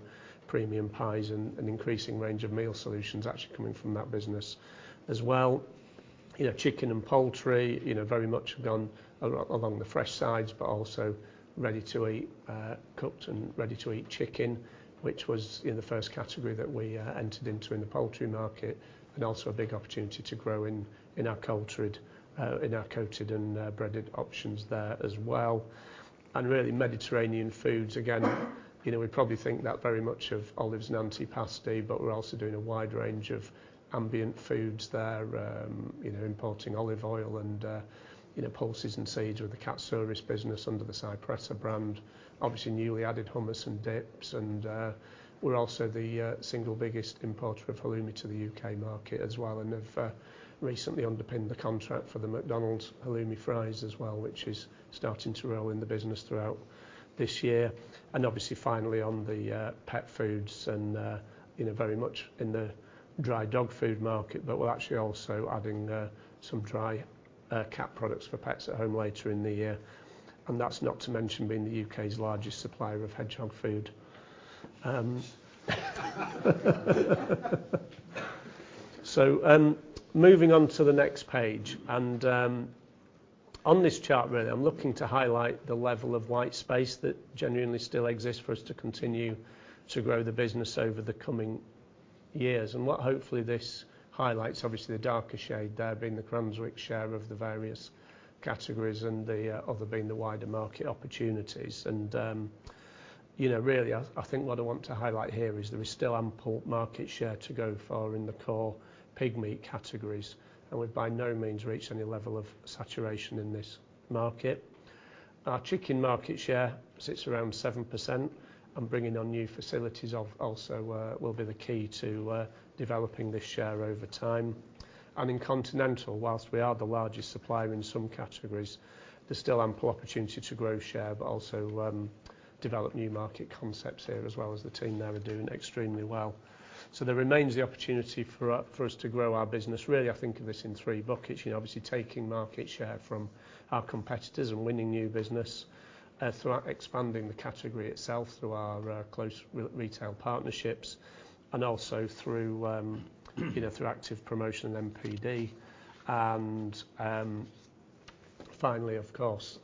premium pies and an increasing range of meal solutions actually coming from that business as well. You know, chicken and poultry, you know, very much have gone along the fresh sides, but also ready-to-eat, cooked and ready-to-eat chicken, which was in the first category that we entered into in the poultry market, and also a big opportunity to grow in our coated and breaded options there as well. And really, Mediterranean foods, again, you know, we probably think that very much of olives and antipasti, but we're also doing a wide range of ambient foods there, you know, importing olive oil and, you know, pulses and seeds with the catering service business under the Cypressa brand. Obviously, newly added hummus and dips, and we're also the single biggest importer of halloumi to the U.K. market as well, and have recently underpinned the contract for the McDonald's Halloumi Fries as well, which is starting to roll in the business throughout this year. And obviously, finally, on the pet foods and you know, very much in the dry dog food market, but we're actually also adding some dry cat products for Pets at Home later in the year. And that's not to mention being the U.K.'s largest supplier of hedgehog food. So, moving on to the next page, and on this chart, really, I'm looking to highlight the level of white space that genuinely still exists for us to continue to grow the business over the coming years. What, hopefully, this highlights, obviously, the darker shade there being the Cranswick share of the various categories and the other being the wider market opportunities. You know, really, I think what I want to highlight here is there is still ample market share to go far in the core pig meat categories, and we've by no means reached any level of saturation in this market. Our chicken market share sits around 7%, and bringing on new facilities also will be the key to developing this share over time. And in continental, while we are the largest supplier in some categories, there's still ample opportunity to grow share, but also develop new market concepts here, as well as the team there are doing extremely well. So there remains the opportunity for us to grow our business. Really, I think of this in three buckets, you know, obviously taking market share from our competitors and winning new business throughout expanding the category itself through our close retail partnerships, and also through, you know, through active promotion and NPD. And finally, of course,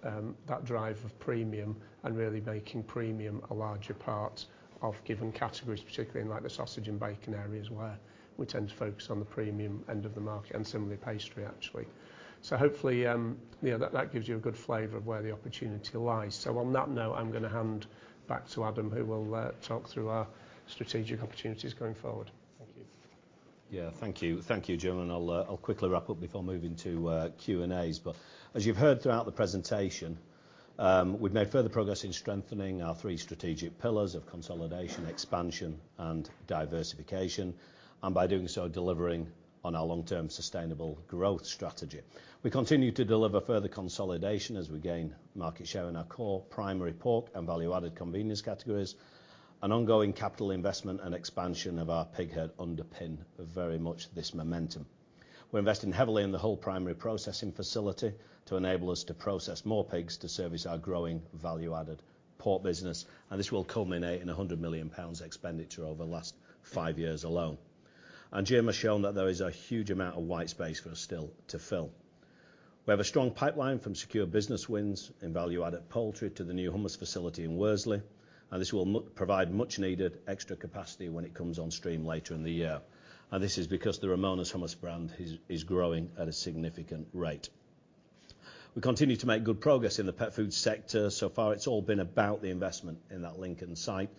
that drive of premium and really making premium a larger part of given categories, particularly in, like, the sausage and bacon areas, where we tend to focus on the premium end of the market and similarly, pastry, actually. So hopefully, you know, that gives you a good flavor of where the opportunity lies. So on that note, I'm gonna hand back to Adam, who will talk through our strategic opportunities going forward. Thank you. Yeah, thank you. Thank you, Jim, and I'll, I'll quickly wrap up before moving to Q&A's. But as you've heard throughout the presentation, we've made further progress in strengthening our three strategic pillars of consolidation, expansion, and diversification, and by doing so, delivering on our long-term sustainable growth strategy. We continue to deliver further consolidation as we gain market share in our core primary pork and value-added convenience categories. An ongoing capital investment and expansion of our pig herd underpin very much this momentum. We're investing heavily in the whole primary processing facility to enable us to process more pigs to service our growing value-added pork business, and this will culminate in 100 million pounds expenditure over the last five years alone. And Jim has shown that there is a huge amount of white space for us still to fill. We have a strong pipeline from secure business wins in value-added poultry to the new hummus facility in Worsley, and this will provide much needed extra capacity when it comes on stream later in the year. This is because the Ramona's hummus brand is, is growing at a significant rate. We continue to make good progress in the pet food sector. So far, it's all been about the investment in that Lincoln site,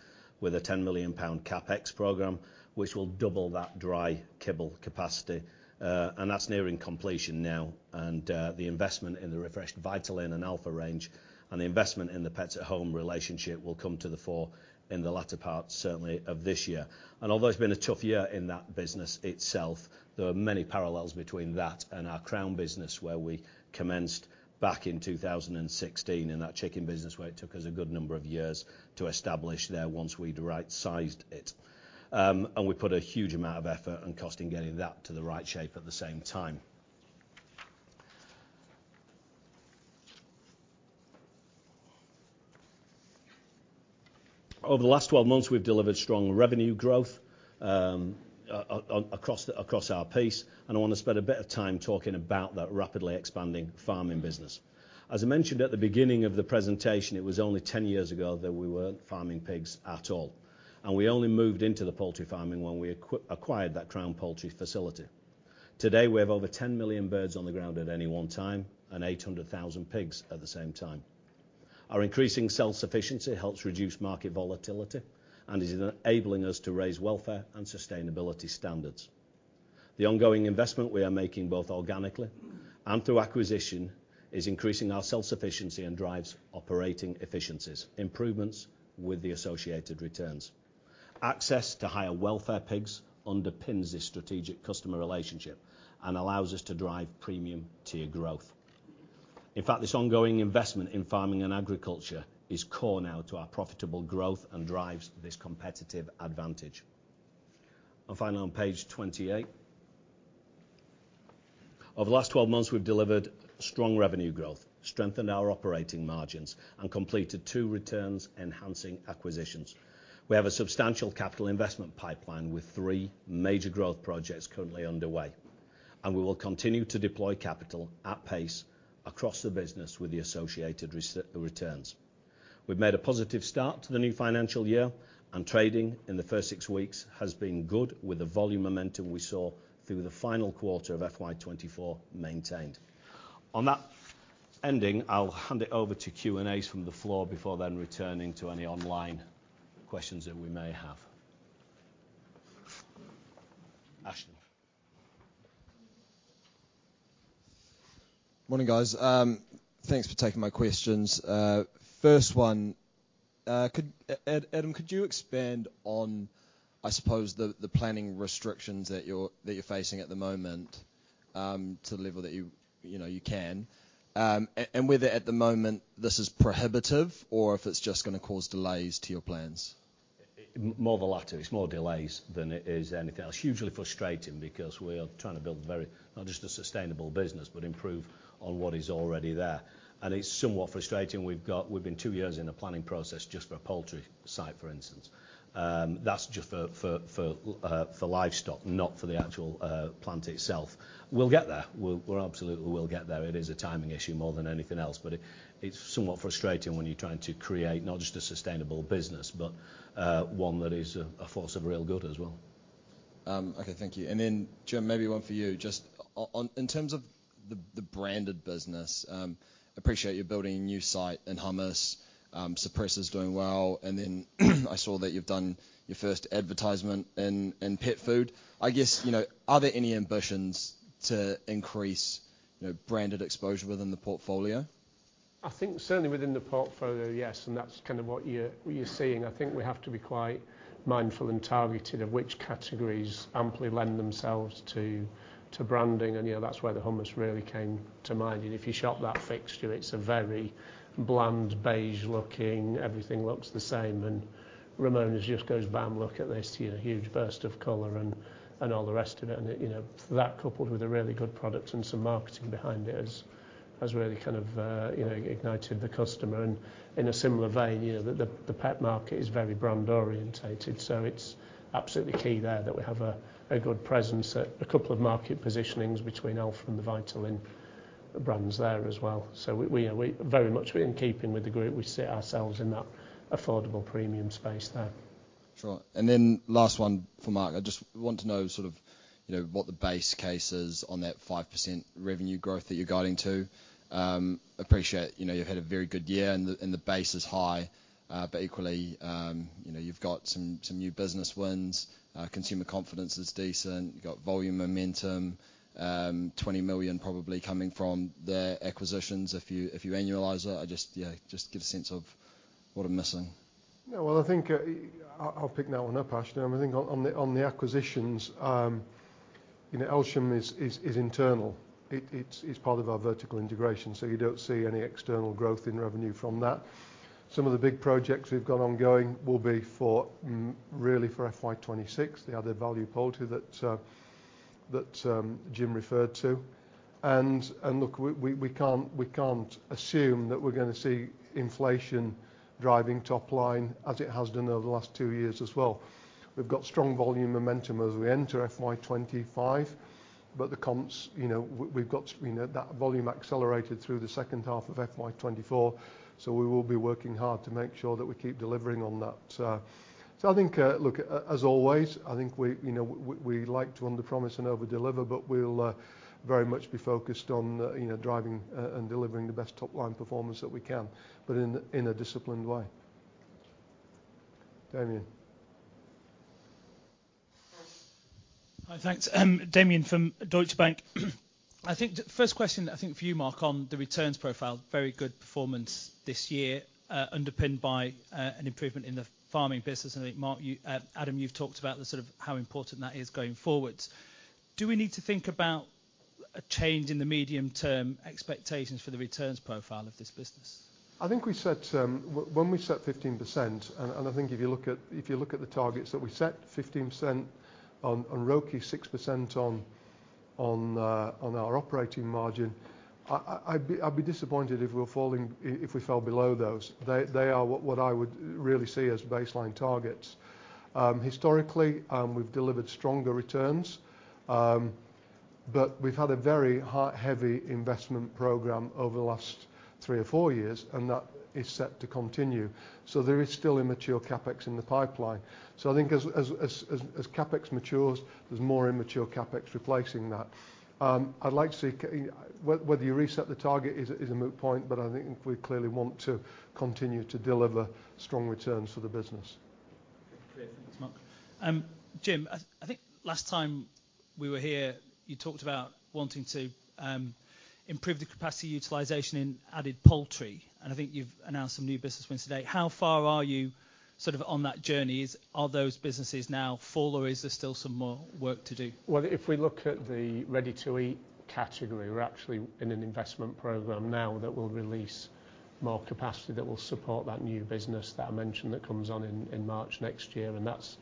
with a 10 million pound CapEx program, which will double that dry kibble capacity, and that's nearing completion now. The investment in the refreshed Vitalin and Alpha range and the investment in the Pets at Home relationship will come to the fore in the latter part, certainly, of this year. Although it's been a tough year in that business itself, there are many parallels between that and our Crown business, where we commenced back in 2016, in that chicken business, where it took us a good number of years to establish there once we'd right-sized it. We put a huge amount of effort and cost in getting that to the right shape at the same time. Over the last 12 months, we've delivered strong revenue growth across the piece, and I want to spend a bit of time talking about that rapidly expanding farming business. As I mentioned at the beginning of the presentation, it was only 10 years ago that we weren't farming pigs at all, and we only moved into the poultry farming when we acquired that Crown Poultry facility. Today, we have over 10 million birds on the ground at any one time, and 800,000 pigs at the same time. Our increasing self-sufficiency helps reduce market volatility and is enabling us to raise welfare and sustainability standards. The ongoing investment we are making, both organically and through acquisition, is increasing our self-sufficiency and drives operating efficiencies, improvements with the associated returns. Access to higher welfare pigs underpins this strategic customer relationship and allows us to drive premium tier growth. In fact, this ongoing investment in farming and agriculture is core now to our profitable growth and drives this competitive advantage. And finally, on page 28, over the last 12 months, we've delivered strong revenue growth, strengthened our operating margins, and completed two return-enhancing acquisitions. We have a substantial capital investment pipeline with three major growth projects currently underway, and we will continue to deploy capital at pace across the business with the associated returns. We've made a positive start to the new financial year, and trading in the first six weeks has been good, with the volume momentum we saw through the final quarter of FY 2024 maintained. On that ending, I'll hand it over to Q&As from the floor before then returning to any online questions that we may have. Ashton? Morning, guys. Thanks for taking my questions. First one, Adam, could you expand on, I suppose, the planning restrictions that you're facing at the moment, to the level that you know you can, and whether at the moment this is prohibitive or if it's just gonna cause delays to your plans? More the latter. It's more delays than it is anything else. Hugely frustrating because we are trying to build a very, not just a sustainable business, but improve on what is already there. And it's somewhat frustrating. We've been two years in a planning process just for a poultry site, for instance. That's just for livestock, not for the actual plant itself. We'll get there. We're absolutely will get there. It is a timing issue more than anything else, but it's somewhat frustrating when you're trying to create not just a sustainable business, but one that is a force of real good as well. Okay, thank you. And then, Jim, maybe one for you. Just on, in terms of the branded business, appreciate you're building a new site in hummus, Cypressa's doing well, and then I saw that you've done your first advertisement in pet food. I guess, you know, are there any ambitions to increase, you know, branded exposure within the portfolio? I think certainly within the portfolio, yes, and that's kind of what you're seeing. I think we have to be quite mindful and targeted of which categories amply lend themselves to branding, and, you know, that's where the hummus really came to mind. And if you shop that fixture, it's a very bland, beige looking, everything looks the same, and Ramona's just goes, "Bam, look at this," you know, huge burst of color and all the rest of it. And, you know, that coupled with a really good product and some marketing behind it has really kind of, you know, ignited the customer. In a similar vein, you know, the pet market is very brand oriented, so it's absolutely key there that we have a good presence at a couple of market positionings between Alpha and the Vitalin brands there as well. So we are very much in keeping with the group, we see ourselves in that affordable premium space there. Sure. And then last one for Mark. I just want to know sort of, you know, what the base case is on that 5% revenue growth that you're guiding to. Appreciate, you know, you've had a very good year, and the base is high, but equally, you know, you've got some new business wins, consumer confidence is decent, you've got volume momentum, 20 million probably coming from the acquisitions, if you annualize it. I just, yeah, just get a sense of what I'm missing. Yeah. Well, I think, I'll pick that one up, Ashton. I think on the acquisitions, you know, Elsham is internal. It's part of our vertical integration, so you don't see any external growth in revenue from that. Some of the big projects we've got ongoing will be for, really for FY 2026, the other value poultry that Jim referred to. Look, we can't assume that we're gonna see inflation driving top line as it has done over the last two years as well. We've got strong volume momentum as we enter FY 2025, but the comps, you know, we've got, you know, that volume accelerated through the second half of FY 2024, so we will be working hard to make sure that we keep delivering on that. So I think, look, as always, I think we, you know, we like to underpromise and overdeliver, but we'll very much be focused on, you know, driving and delivering the best top-line performance that we can, but in, in a disciplined way. Damian? Hi, thanks. Damian from Deutsche Bank. I think the first question, I think for you, Mark, on the returns profile, very good performance this year, underpinned by an improvement in the farming business, and I think, Mark, you, Adam, you've talked about the sort of how important that is going forward. Do we need to think about a change in the medium-term expectations for the returns profile of this business? I think we set, when we set 15%, and I think if you look at the targets that we set, 15% on ROCE, 6% on our operating margin, I, I'd be disappointed if we were falling, if we fell below those. They are what I would really see as baseline targets. Historically, we've delivered stronger returns, but we've had a very heavy investment program over the last three or four years, and that is set to continue. So there is still immature CapEx in the pipeline. So I think as CapEx matures, there's more immature CapEx replacing that. I'd like to see, whether you reset the target is a moot point, but I think we clearly want to continue to deliver strong returns for the business. Thank you, Mark. Jim, I think last time we were here, you talked about wanting to improve the capacity utilization in added poultry, and I think you've announced some new business wins today. How far are you sort of on that journey? Are those businesses now full, or is there still some more work to do? Well, if we look at the ready-to-eat category, we're actually in an investment program now that will release more capacity, that will support that new business that I mentioned, that comes on in March next year, and that's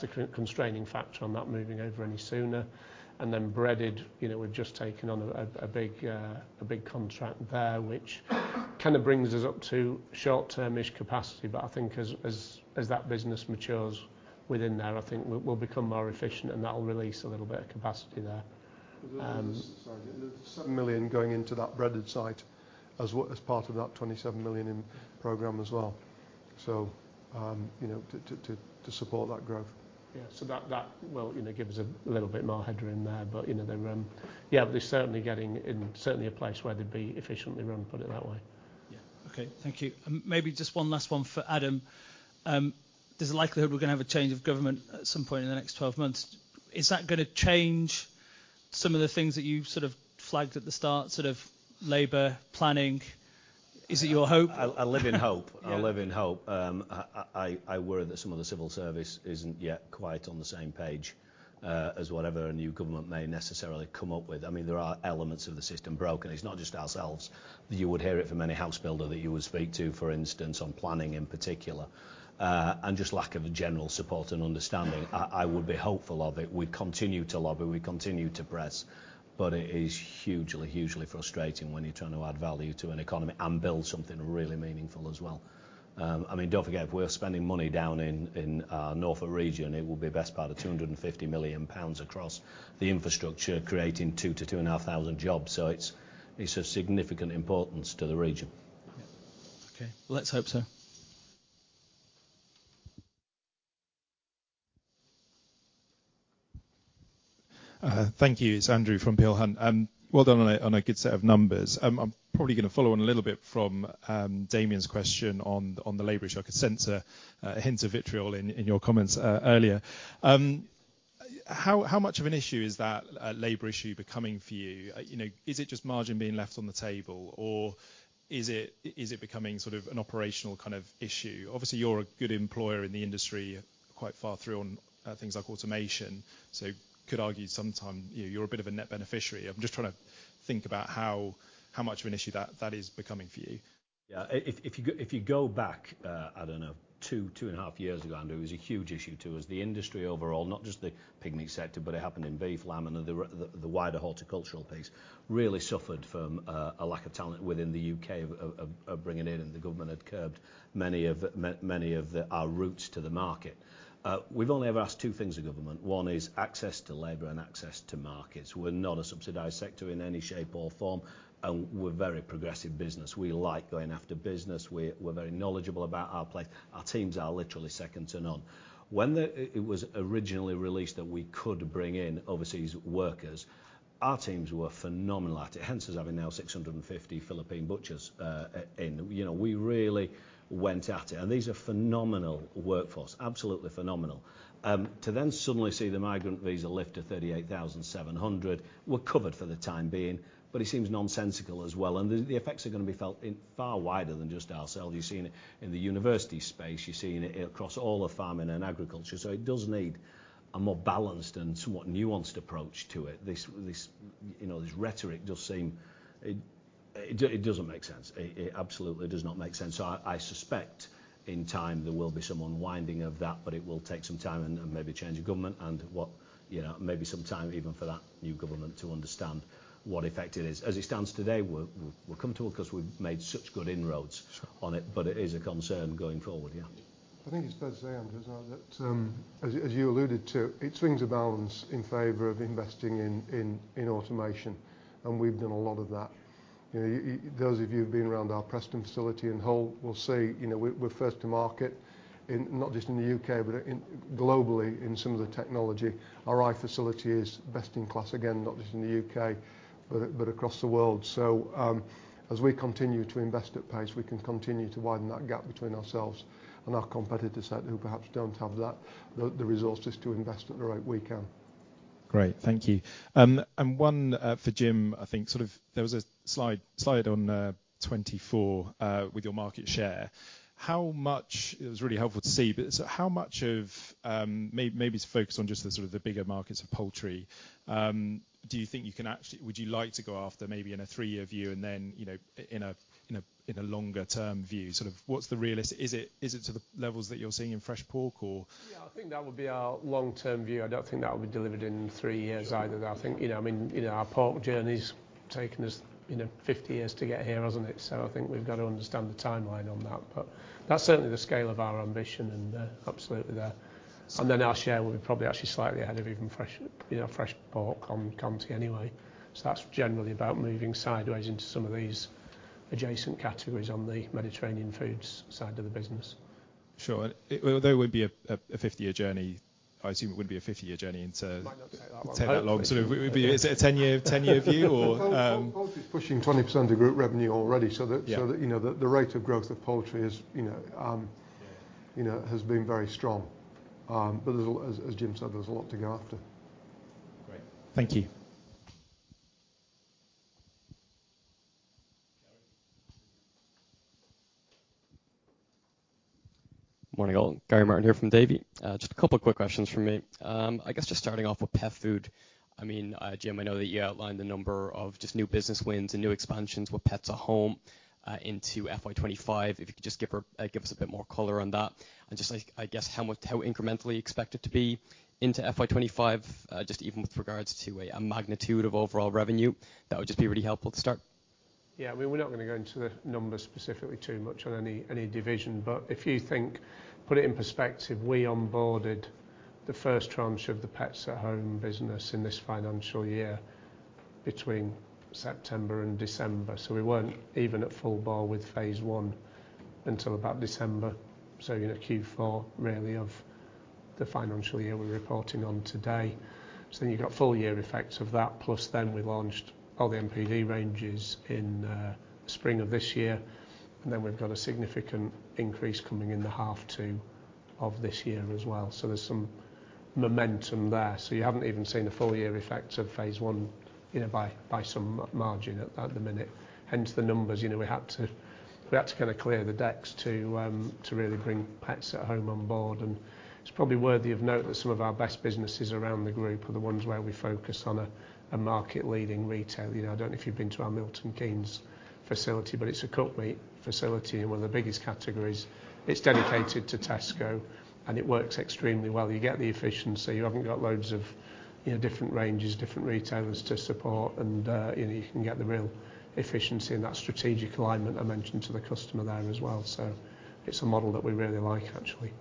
the constraining factor on that moving over any sooner. And then breaded, you know, we've just taken on a big contract there, which kind of brings us up to short-term-ish capacity. But I think as that business matures within there, I think we'll become more efficient, and that'll release a little bit of capacity there. Sorry, there's 7 million going into that breaded site as well, as part of that 27 million in program as well. So, you know, to support that growth. Yeah, so that will, you know, give us a little bit more headroom there. But, you know, yeah, but they're certainly getting into a certain place where they'd be efficiently run, put it that way. Yeah. Okay, thank you. Maybe just one last one for Adam. There's a likelihood we're going to have a change of government at some point in the next 12 months. Is that going to change some of the things that you sort of flagged at the start, sort of labor, planning? Is it your hope? I live in hope. Yeah. I live in hope. I worry that some of the Civil Service isn't yet quite on the same page as whatever a new government may necessarily come up with. I mean, there are elements of the system broken. It's not just ourselves. You would hear it from any house builder that you would speak to, for instance, on planning, in particular, and just lack of a general support and understanding. I would be hopeful of it. We continue to lobby, we continue to press, but it is hugely, hugely frustrating when you're trying to add value to an economy and build something really meaningful as well. I mean, don't forget, we're spending money down in our Norfolk region. It will be the best part of 250 million pounds across the infrastructure, creating 2,000-2,500 jobs. So it's of significant importance to the region. Okay, let's hope so. Thank you. It's Andrew from Peel Hunt. Well done on a good set of numbers. I'm probably going to follow on a little bit from Damian's question on the labor issue. I could sense a hint of vitriol in your comments earlier. How much of an issue is that labor issue becoming for you? You know, is it just margin being left on the table, or is it becoming sort of an operational kind of issue? Obviously, you're a good employer in the industry, quite far through on things like automation. So could argue sometime, you're a bit of a net beneficiary. I'm just trying to think about how much of an issue that is becoming for you. Yeah, if you go back, I don't know, two, 2.5 years ago, Andrew, it was a huge issue to us. The industry overall, not just the pig meat sector, but it happened in beef, lamb, and the wider horticultural piece, really suffered from a lack of talent within the U.K. of bringing in, and the government had curbed many of our routes to the market. We've only ever asked two things of government. One is access to labor and access to markets. We're not a subsidized sector in any shape or form, and we're a very progressive business. We like going after business. We're very knowledgeable about our place. Our teams are literally second to none. When it was originally released that we could bring in overseas workers, our teams were phenomenal at it, hence us having now 650 Filipino butchers in. You know, we really went at it, and these are phenomenal workforce, absolutely phenomenal. To then suddenly see the migrant visa lift to 38,700, we're covered for the time being, but it seems nonsensical as well, and the effects are going to be felt in far wider than just ourselves. You're seeing it in the university space. You're seeing it across all of farming and agriculture. So it does need a more balanced and somewhat nuanced approach to it. This you know, this rhetoric does seem... It doesn't make sense. It absolutely does not make sense. So I suspect in time there will be some unwinding of that, but it will take some time and maybe a change of government and what, you know, maybe some time even for that new government to understand what effect it is. As it stands today, we're comfortable because we've made such good inroads on it, but it is a concern going forward, yeah. I think it's fair to say, Andrew, as you alluded to, it swings a balance in favor of investing in automation, and we've done a lot of that. You know, those of you who've been around our Preston facility and Hull will see, you know, we're first to market, not just in the U.K., but globally, in some of the technology. Our Eye facility is best-in-class, again, not just in the U.K., but across the world. So, as we continue to invest at pace, we can continue to widen that gap between ourselves and our competitor set, who perhaps don't have that, the resources to invest at the rate we can. Great, thank you. And one for Jim, I think sort of there was a slide on 24 with your market share. How much -- it was really helpful to see, but so how much of maybe to focus on just the sort of the bigger markets of poultry, do you think you can actually-- would you like to go after maybe in a three-year view and then, you know, in a longer term view, sort of what's the realistic. Is it, is it to the levels that you're seeing in fresh pork or? Yeah, I think that would be our long-term view. I don't think that would be delivered in three years either. I think, you know, I mean, you know, our pork journey's taken us, you know, 50 years to get here, hasn't it? So I think we've got to understand the timeline on that, but that's certainly the scale of our ambition, and absolutely there. And then our share will be probably actually slightly ahead of even fresh, you know, fresh pork on Kantar anyway. So that's generally about moving sideways into some of these adjacent categories on the Mediterranean foods side of the business. Sure. Well, there would be a 50-year journey. I assume it would be a 50-year journey into- It might not take that long. -take that long. So would be, is it a ten-year, ten-year view, or- Poultry is pushing 20% of group revenue already, so that- Yeah So that, you know, the rate of growth of poultry is, you know, you know, has been very strong. But as Jim said, there's a lot to go after. Great. Thank you. Morning, all. Gary Martin here from Davy. Just a couple quick questions from me. I guess just starting off with pet food. I mean, Jim, I know that you outlined the number of just new business wins and new expansions with Pets at Home, into FY 2025. If you could just give us a bit more color on that, and just like, I guess, how much, how incrementally expect it to be into FY 2025, just even with regards to a magnitude of overall revenue, that would just be really helpful to start. Yeah, we were not going to go into the numbers specifically too much on any division. But if you think, put it in perspective, we onboarded the first tranche of the Pets at Home business in this financial year, between September and December, so we weren't even at full bore with phase one until about December. So, you know, Q4, really, of the financial year we're reporting on today. So then you've got full year effects of that, plus then we launched all the NPD ranges in spring of this year, and then we've got a significant increase coming in the H2 of this year as well. So there's some momentum there. So you haven't even seen the full year effect of phase one, you know, by some margin at the minute, hence the numbers. You know, we had to, we had to kind of clear the decks to really bring Pets at Home on board. And it's probably worthy of note that some of our best businesses around the group are the ones where we focus on a market-leading retail. You know, I don't know if you've been to our Milton Keynes facility, but it's a cooked meat facility and one of the biggest categories. It's dedicated to Tesco, and it works extremely well. You get the efficiency. You haven't got loads of, you know, different ranges, different retailers to support and, you know, you can get the real efficiency and that strategic alignment I mentioned to the customer there as well. So it's a model that we really like actually.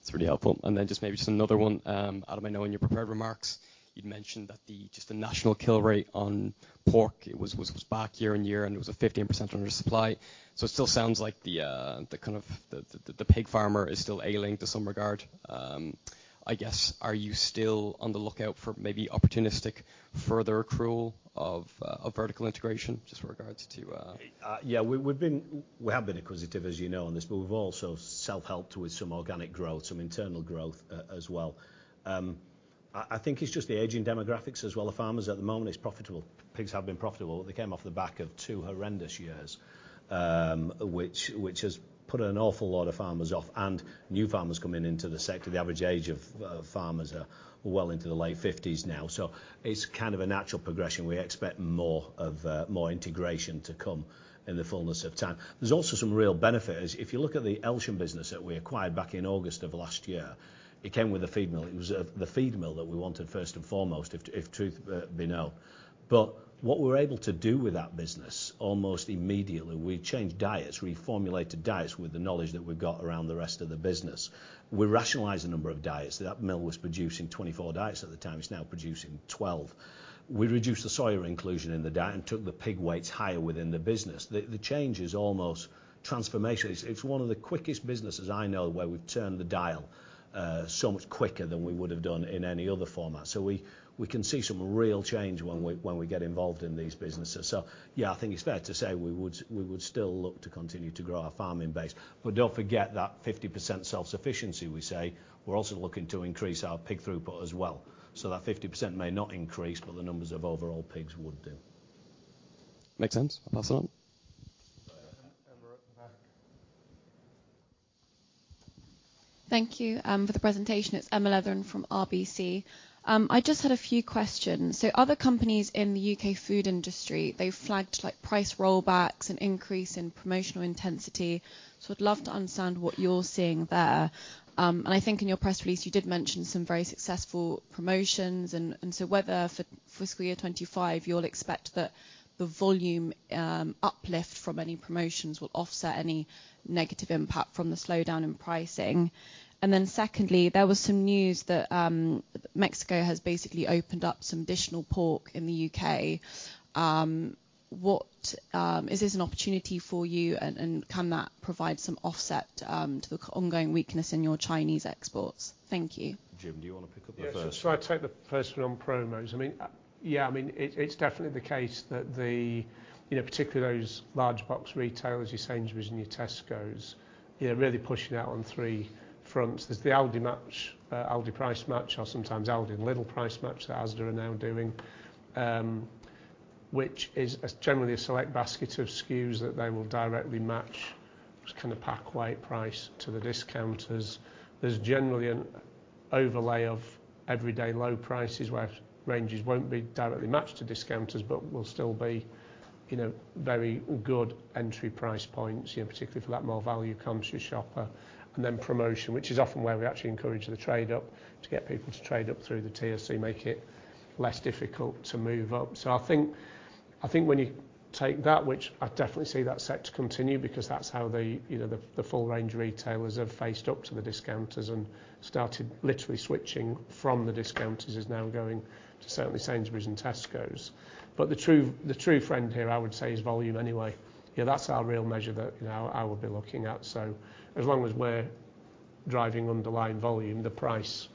It's really helpful. And then just maybe just another one. Adam, I know in your prepared remarks, you'd mentioned that the national kill rate on pork, it was back year and year, and it was a 15% under supply. So it still sounds like the kind of the pig farmer is still ailing in some regard. I guess, are you still on the lookout for maybe opportunistic further accrual of vertical integration, just regards to- Yeah, we've been inquisitive, as you know, on this, but we've also self-helped with some organic growth, some internal growth as well. I think it's just the aging demographics as well. The farmers at the moment, it's profitable. Pigs have been profitable. They came off the back of two horrendous years, which has put an awful lot of farmers off and new farmers coming into the sector. The average age of farmers are well into their late fifties now, so it's kind of a natural progression. We expect more of more integration to come in the fullness of time. There's also some real benefit is, if you look at the Elsham business that we acquired back in August of last year, it came with a feed mill. It was the feed mill that we wanted, first and foremost, if, if truth be known. But what we were able to do with that business, almost immediately, we changed diets. We formulated diets with the knowledge that we've got around the rest of the business. We rationalized a number of diets. That mill was producing 24 diets at the time. It's now producing 12. We reduced the soya inclusion in the diet and took the pig weights higher within the business. The change is almost transformation. It's one of the quickest businesses I know, where we've turned the dial so much quicker than we would have done in any other format. So we can see some real change when we get involved in these businesses. So yeah, I think it's fair to say we would, we would still look to continue to grow our farming base. But don't forget that 50% self-sufficiency, we say, we're also looking to increase our pig throughput as well. So that 50% may not increase, but the numbers of overall pigs would do. Makes sense. Awesome. Emma at the back. Thank you for the presentation. It's Emma Letheren from RBC. I just had a few questions. So other companies in the U.K. food industry, they flagged like price rollbacks and increase in promotional intensity. So I'd love to understand what you're seeing there. And I think in your press release, you did mention some very successful promotions and, and so whether for fiscal year 2025, you'll expect that the volume uplift from any promotions will offset any negative impact from the slowdown in pricing. And then secondly, there was some news that Mexico has basically opened up some additional pork in the U.K. What is this an opportunity for you, and, and can that provide some offset to the ongoing weakness in your Chinese exports? Thank you. Jim, do you want to pick up the first? Yeah, so I take the first one on promos. I mean, yeah, I mean, it, it's definitely the case that the, you know, particularly those large box retailers, your Sainsbury's and your Tesco's, you know, really pushing out on three fronts. There's the Aldi match, Aldi price match, or sometimes Aldi and Lidl price match that Asda are now doing, which is a, generally a select basket of SKUs that they will directly match, kind of pack, weight, price to the discounters. There's generally an overlay of everyday low prices, where ranges won't be directly matched to discounters, but will still be, you know, very good entry price points, you know, particularly for that more value-conscious shopper. And then promotion, which is often where we actually encourage the trade up to get people to trade up through the tier, so make it less difficult to move up. So I think, I think when you take that, which I definitely see that set to continue, because that's how the, you know, the, the full range retailers have faced up to the discounters and started literally switching from the discounters, is now going to certainly Sainsbury's and Tesco's. But the true, the true friend here I would say, is volume anyway. Yeah, that's our real measure that, you know, I would be looking at. So as long as we're driving underlying volume, the price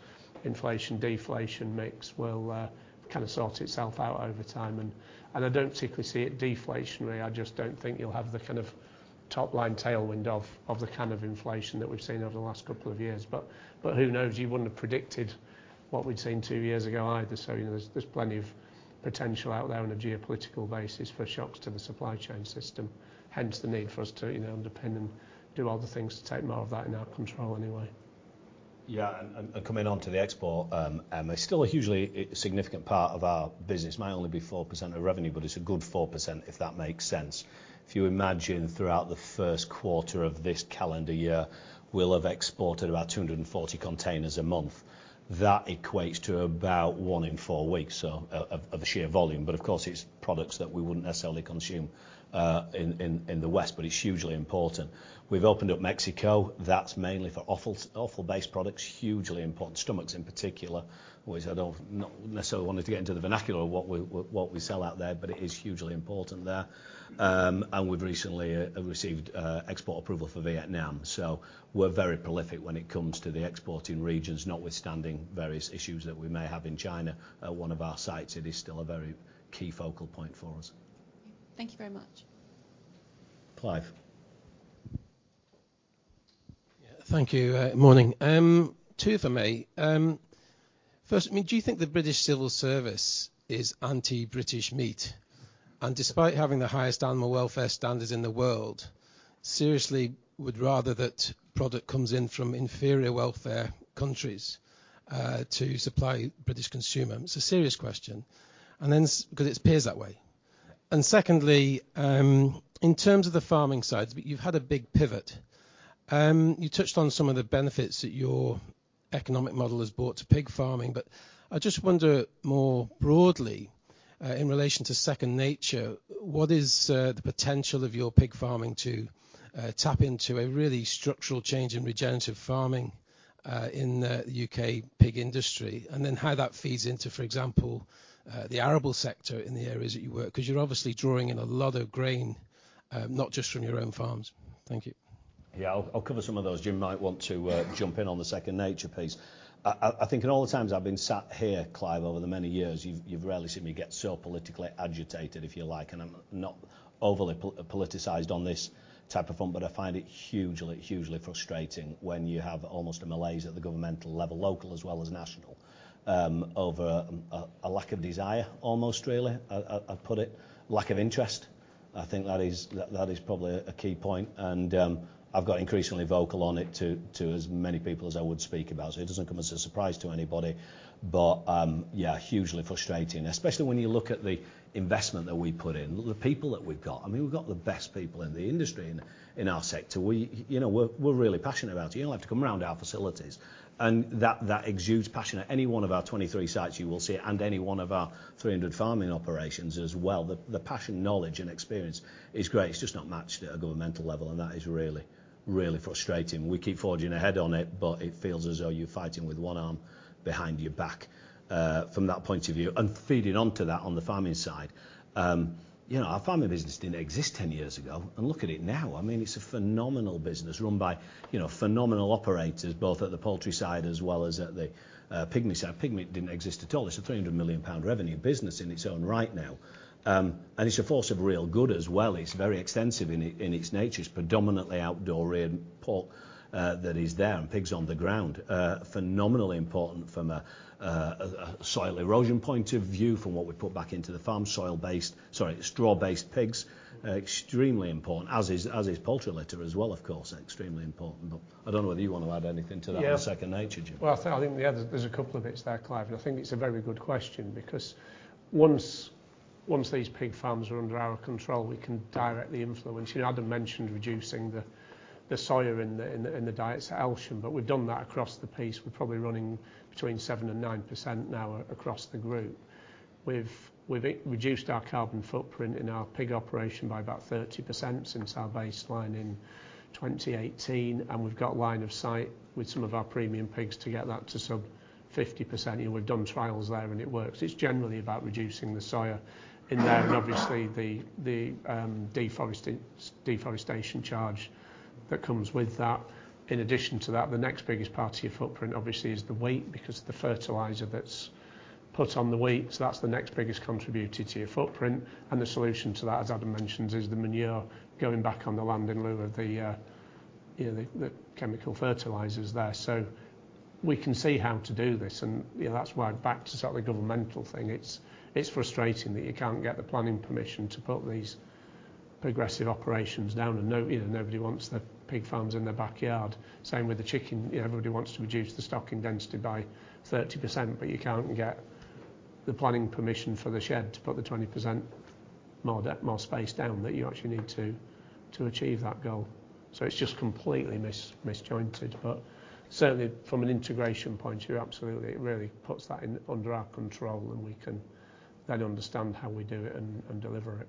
inflation, deflation mix will kind of sort itself out over time. And, and I don't particularly see it deflationary. I just don't think you'll have the kind of top-line tailwind of, of the kind of inflation that we've seen over the last couple of years. But, but who knows? You wouldn't have predicted what we've seen two years ago either. So, you know, there's plenty of potential out there on a geopolitical basis for shocks to the supply chain system, hence the need for us to, you know, underpin and do all the things to take more of that in our control anyway. Yeah, and coming on to the export, and it's still a hugely significant part of our business. Might only be 4% of revenue, but it's a good 4%, if that makes sense. If you imagine, throughout the first quarter of this calendar year, we'll have exported about 240 containers a month. That equates to about 1 in 4 weeks, so of a sheer volume. But of course, it's products that we wouldn't necessarily consume in the West, but it's hugely important. We've opened up Mexico. That's mainly for offal, offal-based products, hugely important, stomachs in particular. Which I don't necessarily wanted to get into the vernacular of what we, what we sell out there, but it is hugely important there. We've recently received export approval for Vietnam, so we're very prolific when it comes to the exporting regions, notwithstanding various issues that we may have in China. At one of our sites, it is still a very key focal point for us. Thank you very much. Clive? Yeah, thank you. Morning. Two for me. First, I mean, do you think the British Civil Service is anti-British meat, and despite having the highest animal welfare standards in the world, seriously, would rather that product comes in from inferior welfare countries, to supply British consumers? It's a serious question, and then, 'cause it appears that way. And secondly, in terms of the farming side, you've had a big pivot. You touched on some of the benefits that your economic model has brought to pig farming, but I just wonder more broadly, in relation to Second Nature, what is, the potential of your pig farming to, tap into a really structural change in regenerative farming, in the U.K. pig industry? And then how that feeds into, for example, the arable sector in the areas that you work, because you're obviously drawing in a lot of grain, not just from your own farms. Thank you. Yeah, I'll cover some of those. Jim might want to jump in on the Second Nature piece. I think in all the times I've been sat here, Clive, over the many years, you've rarely seen me get so politically agitated, if you like, and I'm not overly politicized on this type of front, but I find it hugely, hugely frustrating when you have almost a malaise at the governmental level, local as well as national, over a lack of desire, almost really, I'd put it, lack of interest. I think that is probably a key point, and I've got increasingly vocal on it to as many people as I would speak about, so it doesn't come as a surprise to anybody. But, yeah, hugely frustrating, especially when you look at the investment that we put in, the people that we've got. I mean, we've got the best people in the industry, in, in our sector. We, you know, we're, we're really passionate about it. You only have to come around our facilities, and that, that exudes passion. At any one of our 23 sites, you will see it, and any one of our 300 farming operations as well. The, the passion, knowledge, and experience is great. It's just not matched at a governmental level, and that is really, really frustrating. We keep forging ahead on it, but it feels as though you're fighting with one arm behind your back, from that point of view. And feeding on to that, on the farming side, you know, our farming business didn't exist 10 years ago, and look at it now. I mean, it's a phenomenal business run by, you know, phenomenal operators, both at the poultry side as well as at the piggery side. Piggery didn't exist at all. It's a 300 million pound revenue business in its own right now. And it's a force of real good as well. It's very extensive in its nature. It's predominantly outdoor in pork, that is there, and pigs on the ground. Phenomenally important from a soil erosion point of view, from what we put back into the farm, soil-based, sorry, straw-based pigs. Extremely important, as is poultry litter as well, of course, extremely important. I don't know whether you want to add anything to that- Yeah. Second Nature, Jim? Well, I think, yeah, there's a couple of bits there, Clive, and I think it's a very good question, because once these pig farms are under our control, we can directly influence. You know, Adam mentioned reducing the soya in the diets at Elsham, but we've done that across the piece. We're probably running between 7%-9% now across the group. We've reduced our carbon footprint in our pig operation by about 30% since our baseline in 2018, and we've got line of sight with some of our premium pigs to get that to sub 50%. You know, we've done trials there, and it works. It's generally about reducing the soya in there, and obviously, the deforestation charge that comes with that. In addition to that, the next biggest part of your footprint obviously is the wheat, because the fertilizer that's put on the wheat, so that's the next biggest contributor to your footprint. And the solution to that, as Adam mentioned, is the manure going back on the land in lieu of the, you know, the chemical fertilizers there. So, We can see how to do this, and, you know, that's why back to sort of the governmental thing, it's frustrating that you can't get the planning permission to put these progressive operations down and no, you know, nobody wants the pig farms in their backyard. Same with the chicken. Everybody wants to reduce the stocking density by 30%, but you can't get the planning permission for the shed to put the 20% more space down that you actually need to achieve that goal. So it's just completely misjointed. But certainly, from an integration point of view, absolutely, it really puts that in under our control, and we can then understand how we do it and deliver it.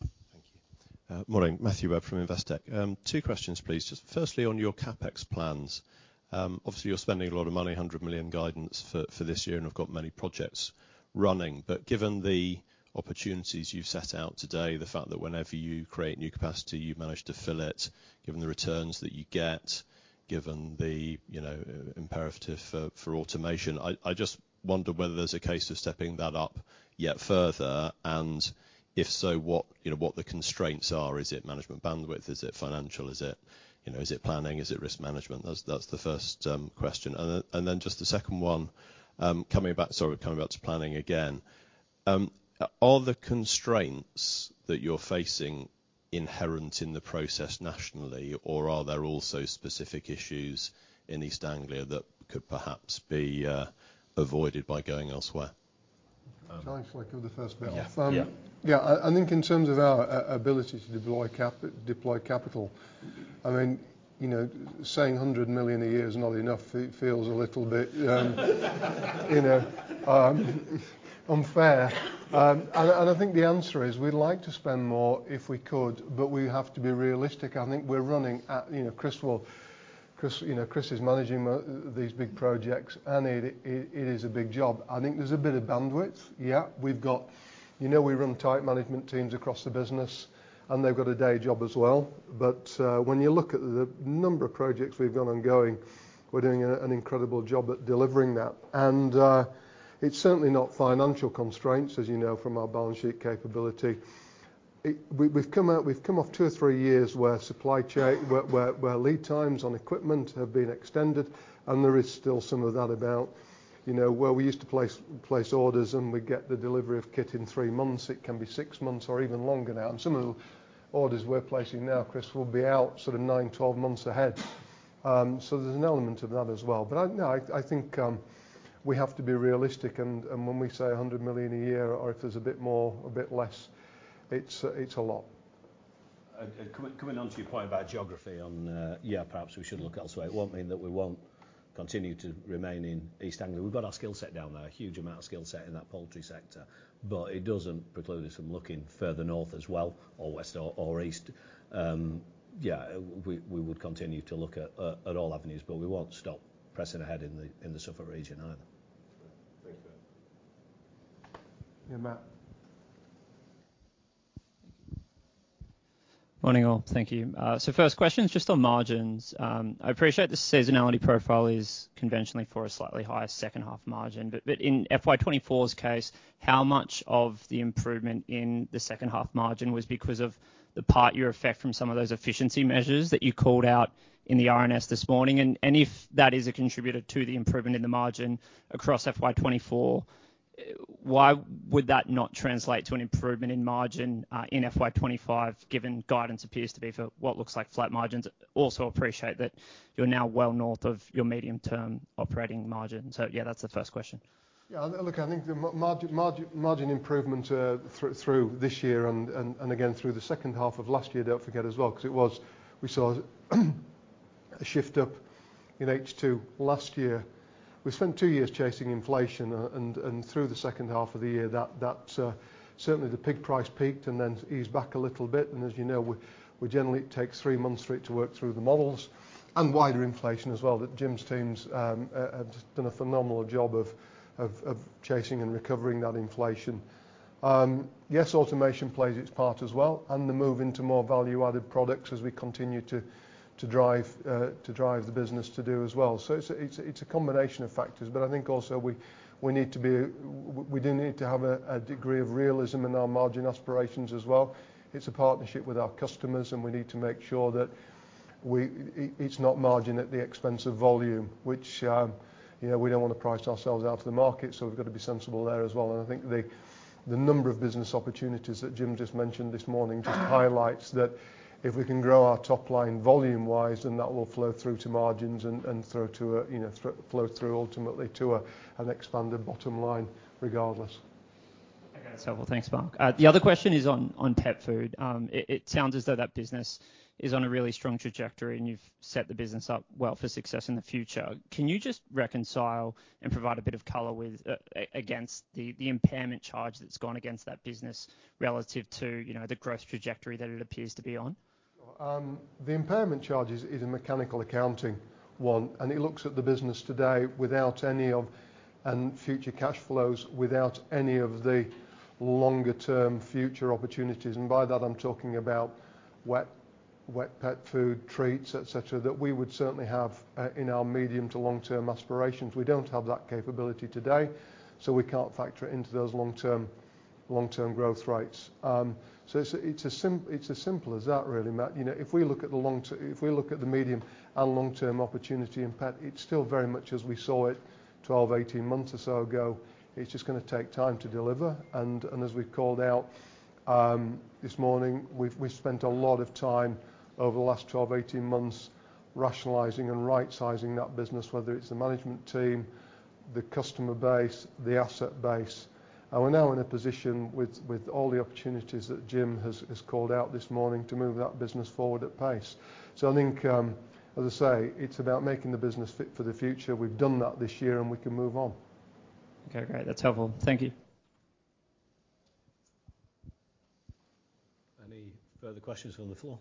Matthew? Thank you. Morning, Matthew Webb from Investec. Two questions, please. Just firstly, on your CapEx plans. Obviously, you're spending a lot of money, 100 million guidance for this year, and you've got many projects running. But given the opportunities you've set out today, the fact that whenever you create new capacity, you've managed to fill it, given the returns that you get, given the, you know, imperative for automation, I just wonder whether there's a case of stepping that up yet further, and if so, what, you know, what the constraints are. Is it management bandwidth? Is it financial? Is it, you know, is it planning? Is it risk management? That's the first question. And then just the second one, coming back, sorry, coming back to planning again. Are the constraints that you're facing inherent in the process nationally, or are there also specific issues in East Anglia that could perhaps be avoided by going elsewhere? Shall I cover the first bit? Yeah. Yeah. Yeah, I think in terms of our ability to deploy capital, I mean, you know, saying 100 million a year is not enough, it feels a little bit, you know, unfair. And I think the answer is, we'd like to spend more if we could, but we have to be realistic. I think we're running at... You know, Chris will, Chris, you know, Chris is managing these big projects, and it is a big job. I think there's a bit of bandwidth. Yeah, we've got, you know, we run tight management teams across the business, and they've got a day job as well. But when you look at the number of projects we've got ongoing, we're doing an incredible job at delivering that. It's certainly not financial constraints, as you know, from our balance sheet capability. We've come off two or three years where supply chain where lead times on equipment have been extended, and there is still some of that about. You know, where we used to place orders, and we get the delivery of kit in 3 months, it can be six months or even longer now. And some of the orders we're placing now, Chris, will be out sort of nine, 12 months ahead. So there's an element of that as well. But no, I think we have to be realistic, and when we say 100 million a year, or if there's a bit more, a bit less, it's a lot. And coming on to your point about geography, yeah, perhaps we should look elsewhere. It won't mean that we won't continue to remain in East Anglia. We've got our skill set down there, a huge amount of skill set in that poultry sector, but it doesn't preclude us from looking further north as well, or west, or east. Yeah, we would continue to look at all avenues, but we won't stop pressing ahead in the Suffolk region either. Thank you. Yeah, Matt. Morning, all. Thank you. So first question is just on margins. I appreciate the seasonality profile is conventionally for a slightly higher second half margin, but, but in FY 2024's case, how much of the improvement in the second half margin was because of the part-year effect from some of those efficiency measures that you called out in the RNS this morning? And, and if that is a contributor to the improvement in the margin across FY 2024, why would that not translate to an improvement in margin in FY 2025, given guidance appears to be for what looks like flat margins? Also appreciate that you're now well north of your medium-term operating margin. So yeah, that's the first question. Yeah, look, I think the margin improvement through this year and again through the second half of last year, don't forget as well, because it was... We saw a shift up in H2 last year. We spent two years chasing inflation, and through the second half of the year, that certainly the pig price peaked and then eased back a little bit. And as you know, we generally take three months for it to work through the models and wider inflation as well, that Jim's teams have done a phenomenal job of chasing and recovering that inflation. Yes, automation plays its part as well, and the move into more value-added products as we continue to drive the business to do as well. So it's a combination of factors, but I think also we need to be, we do need to have a degree of realism in our margin aspirations as well. It's a partnership with our customers, and we need to make sure that it's not margin at the expense of volume, which, you know, we don't want to price ourselves out of the market, so we've got to be sensible there as well. And I think the number of business opportunities that Jim just mentioned this morning just highlights that if we can grow our top line volume-wise, then that will flow through to margins and through to a, you know, flow through ultimately to an expanded bottom line regardless. Okay, that's helpful. Thanks, Mark. The other question is on pet food. It sounds as though that business is on a really strong trajectory, and you've set the business up well for success in the future. Can you just reconcile and provide a bit of color with against the impairment charge that's gone against that business relative to, you know, the growth trajectory that it appears to be on? The impairment charge is a mechanical accounting one, and it looks at the business today without any of... and future cash flows, without any of the longer-term future opportunities. And by that, I'm talking about wet pet food, treats, et cetera, that we would certainly have in our medium to long-term aspirations. We don't have that capability today, so we can't factor it into those long-term growth rates. So it's as simple as that, really, Matt. You know, if we look at the medium and long-term opportunity in pet, it's still very much as we saw it 12, 18 months or so ago. It's just gonna take time to deliver, and as we've called out this morning, we've spent a lot of time over the last 12, 18 months rationalizing and right-sizing that business, whether it's the management team, the customer base, the asset base. And we're now in a position with all the opportunities that Jim has called out this morning to move that business forward at pace. So I think, as I say, it's about making the business fit for the future. We've done that this year, and we can move on. Okay, great. That's helpful. Thank you. Any further questions from the floor?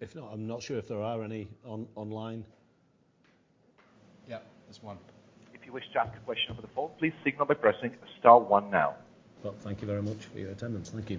If not, I'm not sure if there are any online. Yeah, there's one. If you wish to ask a question over the phone, please signal by pressing star one now. Well, thank you very much for your attendance. Thank you.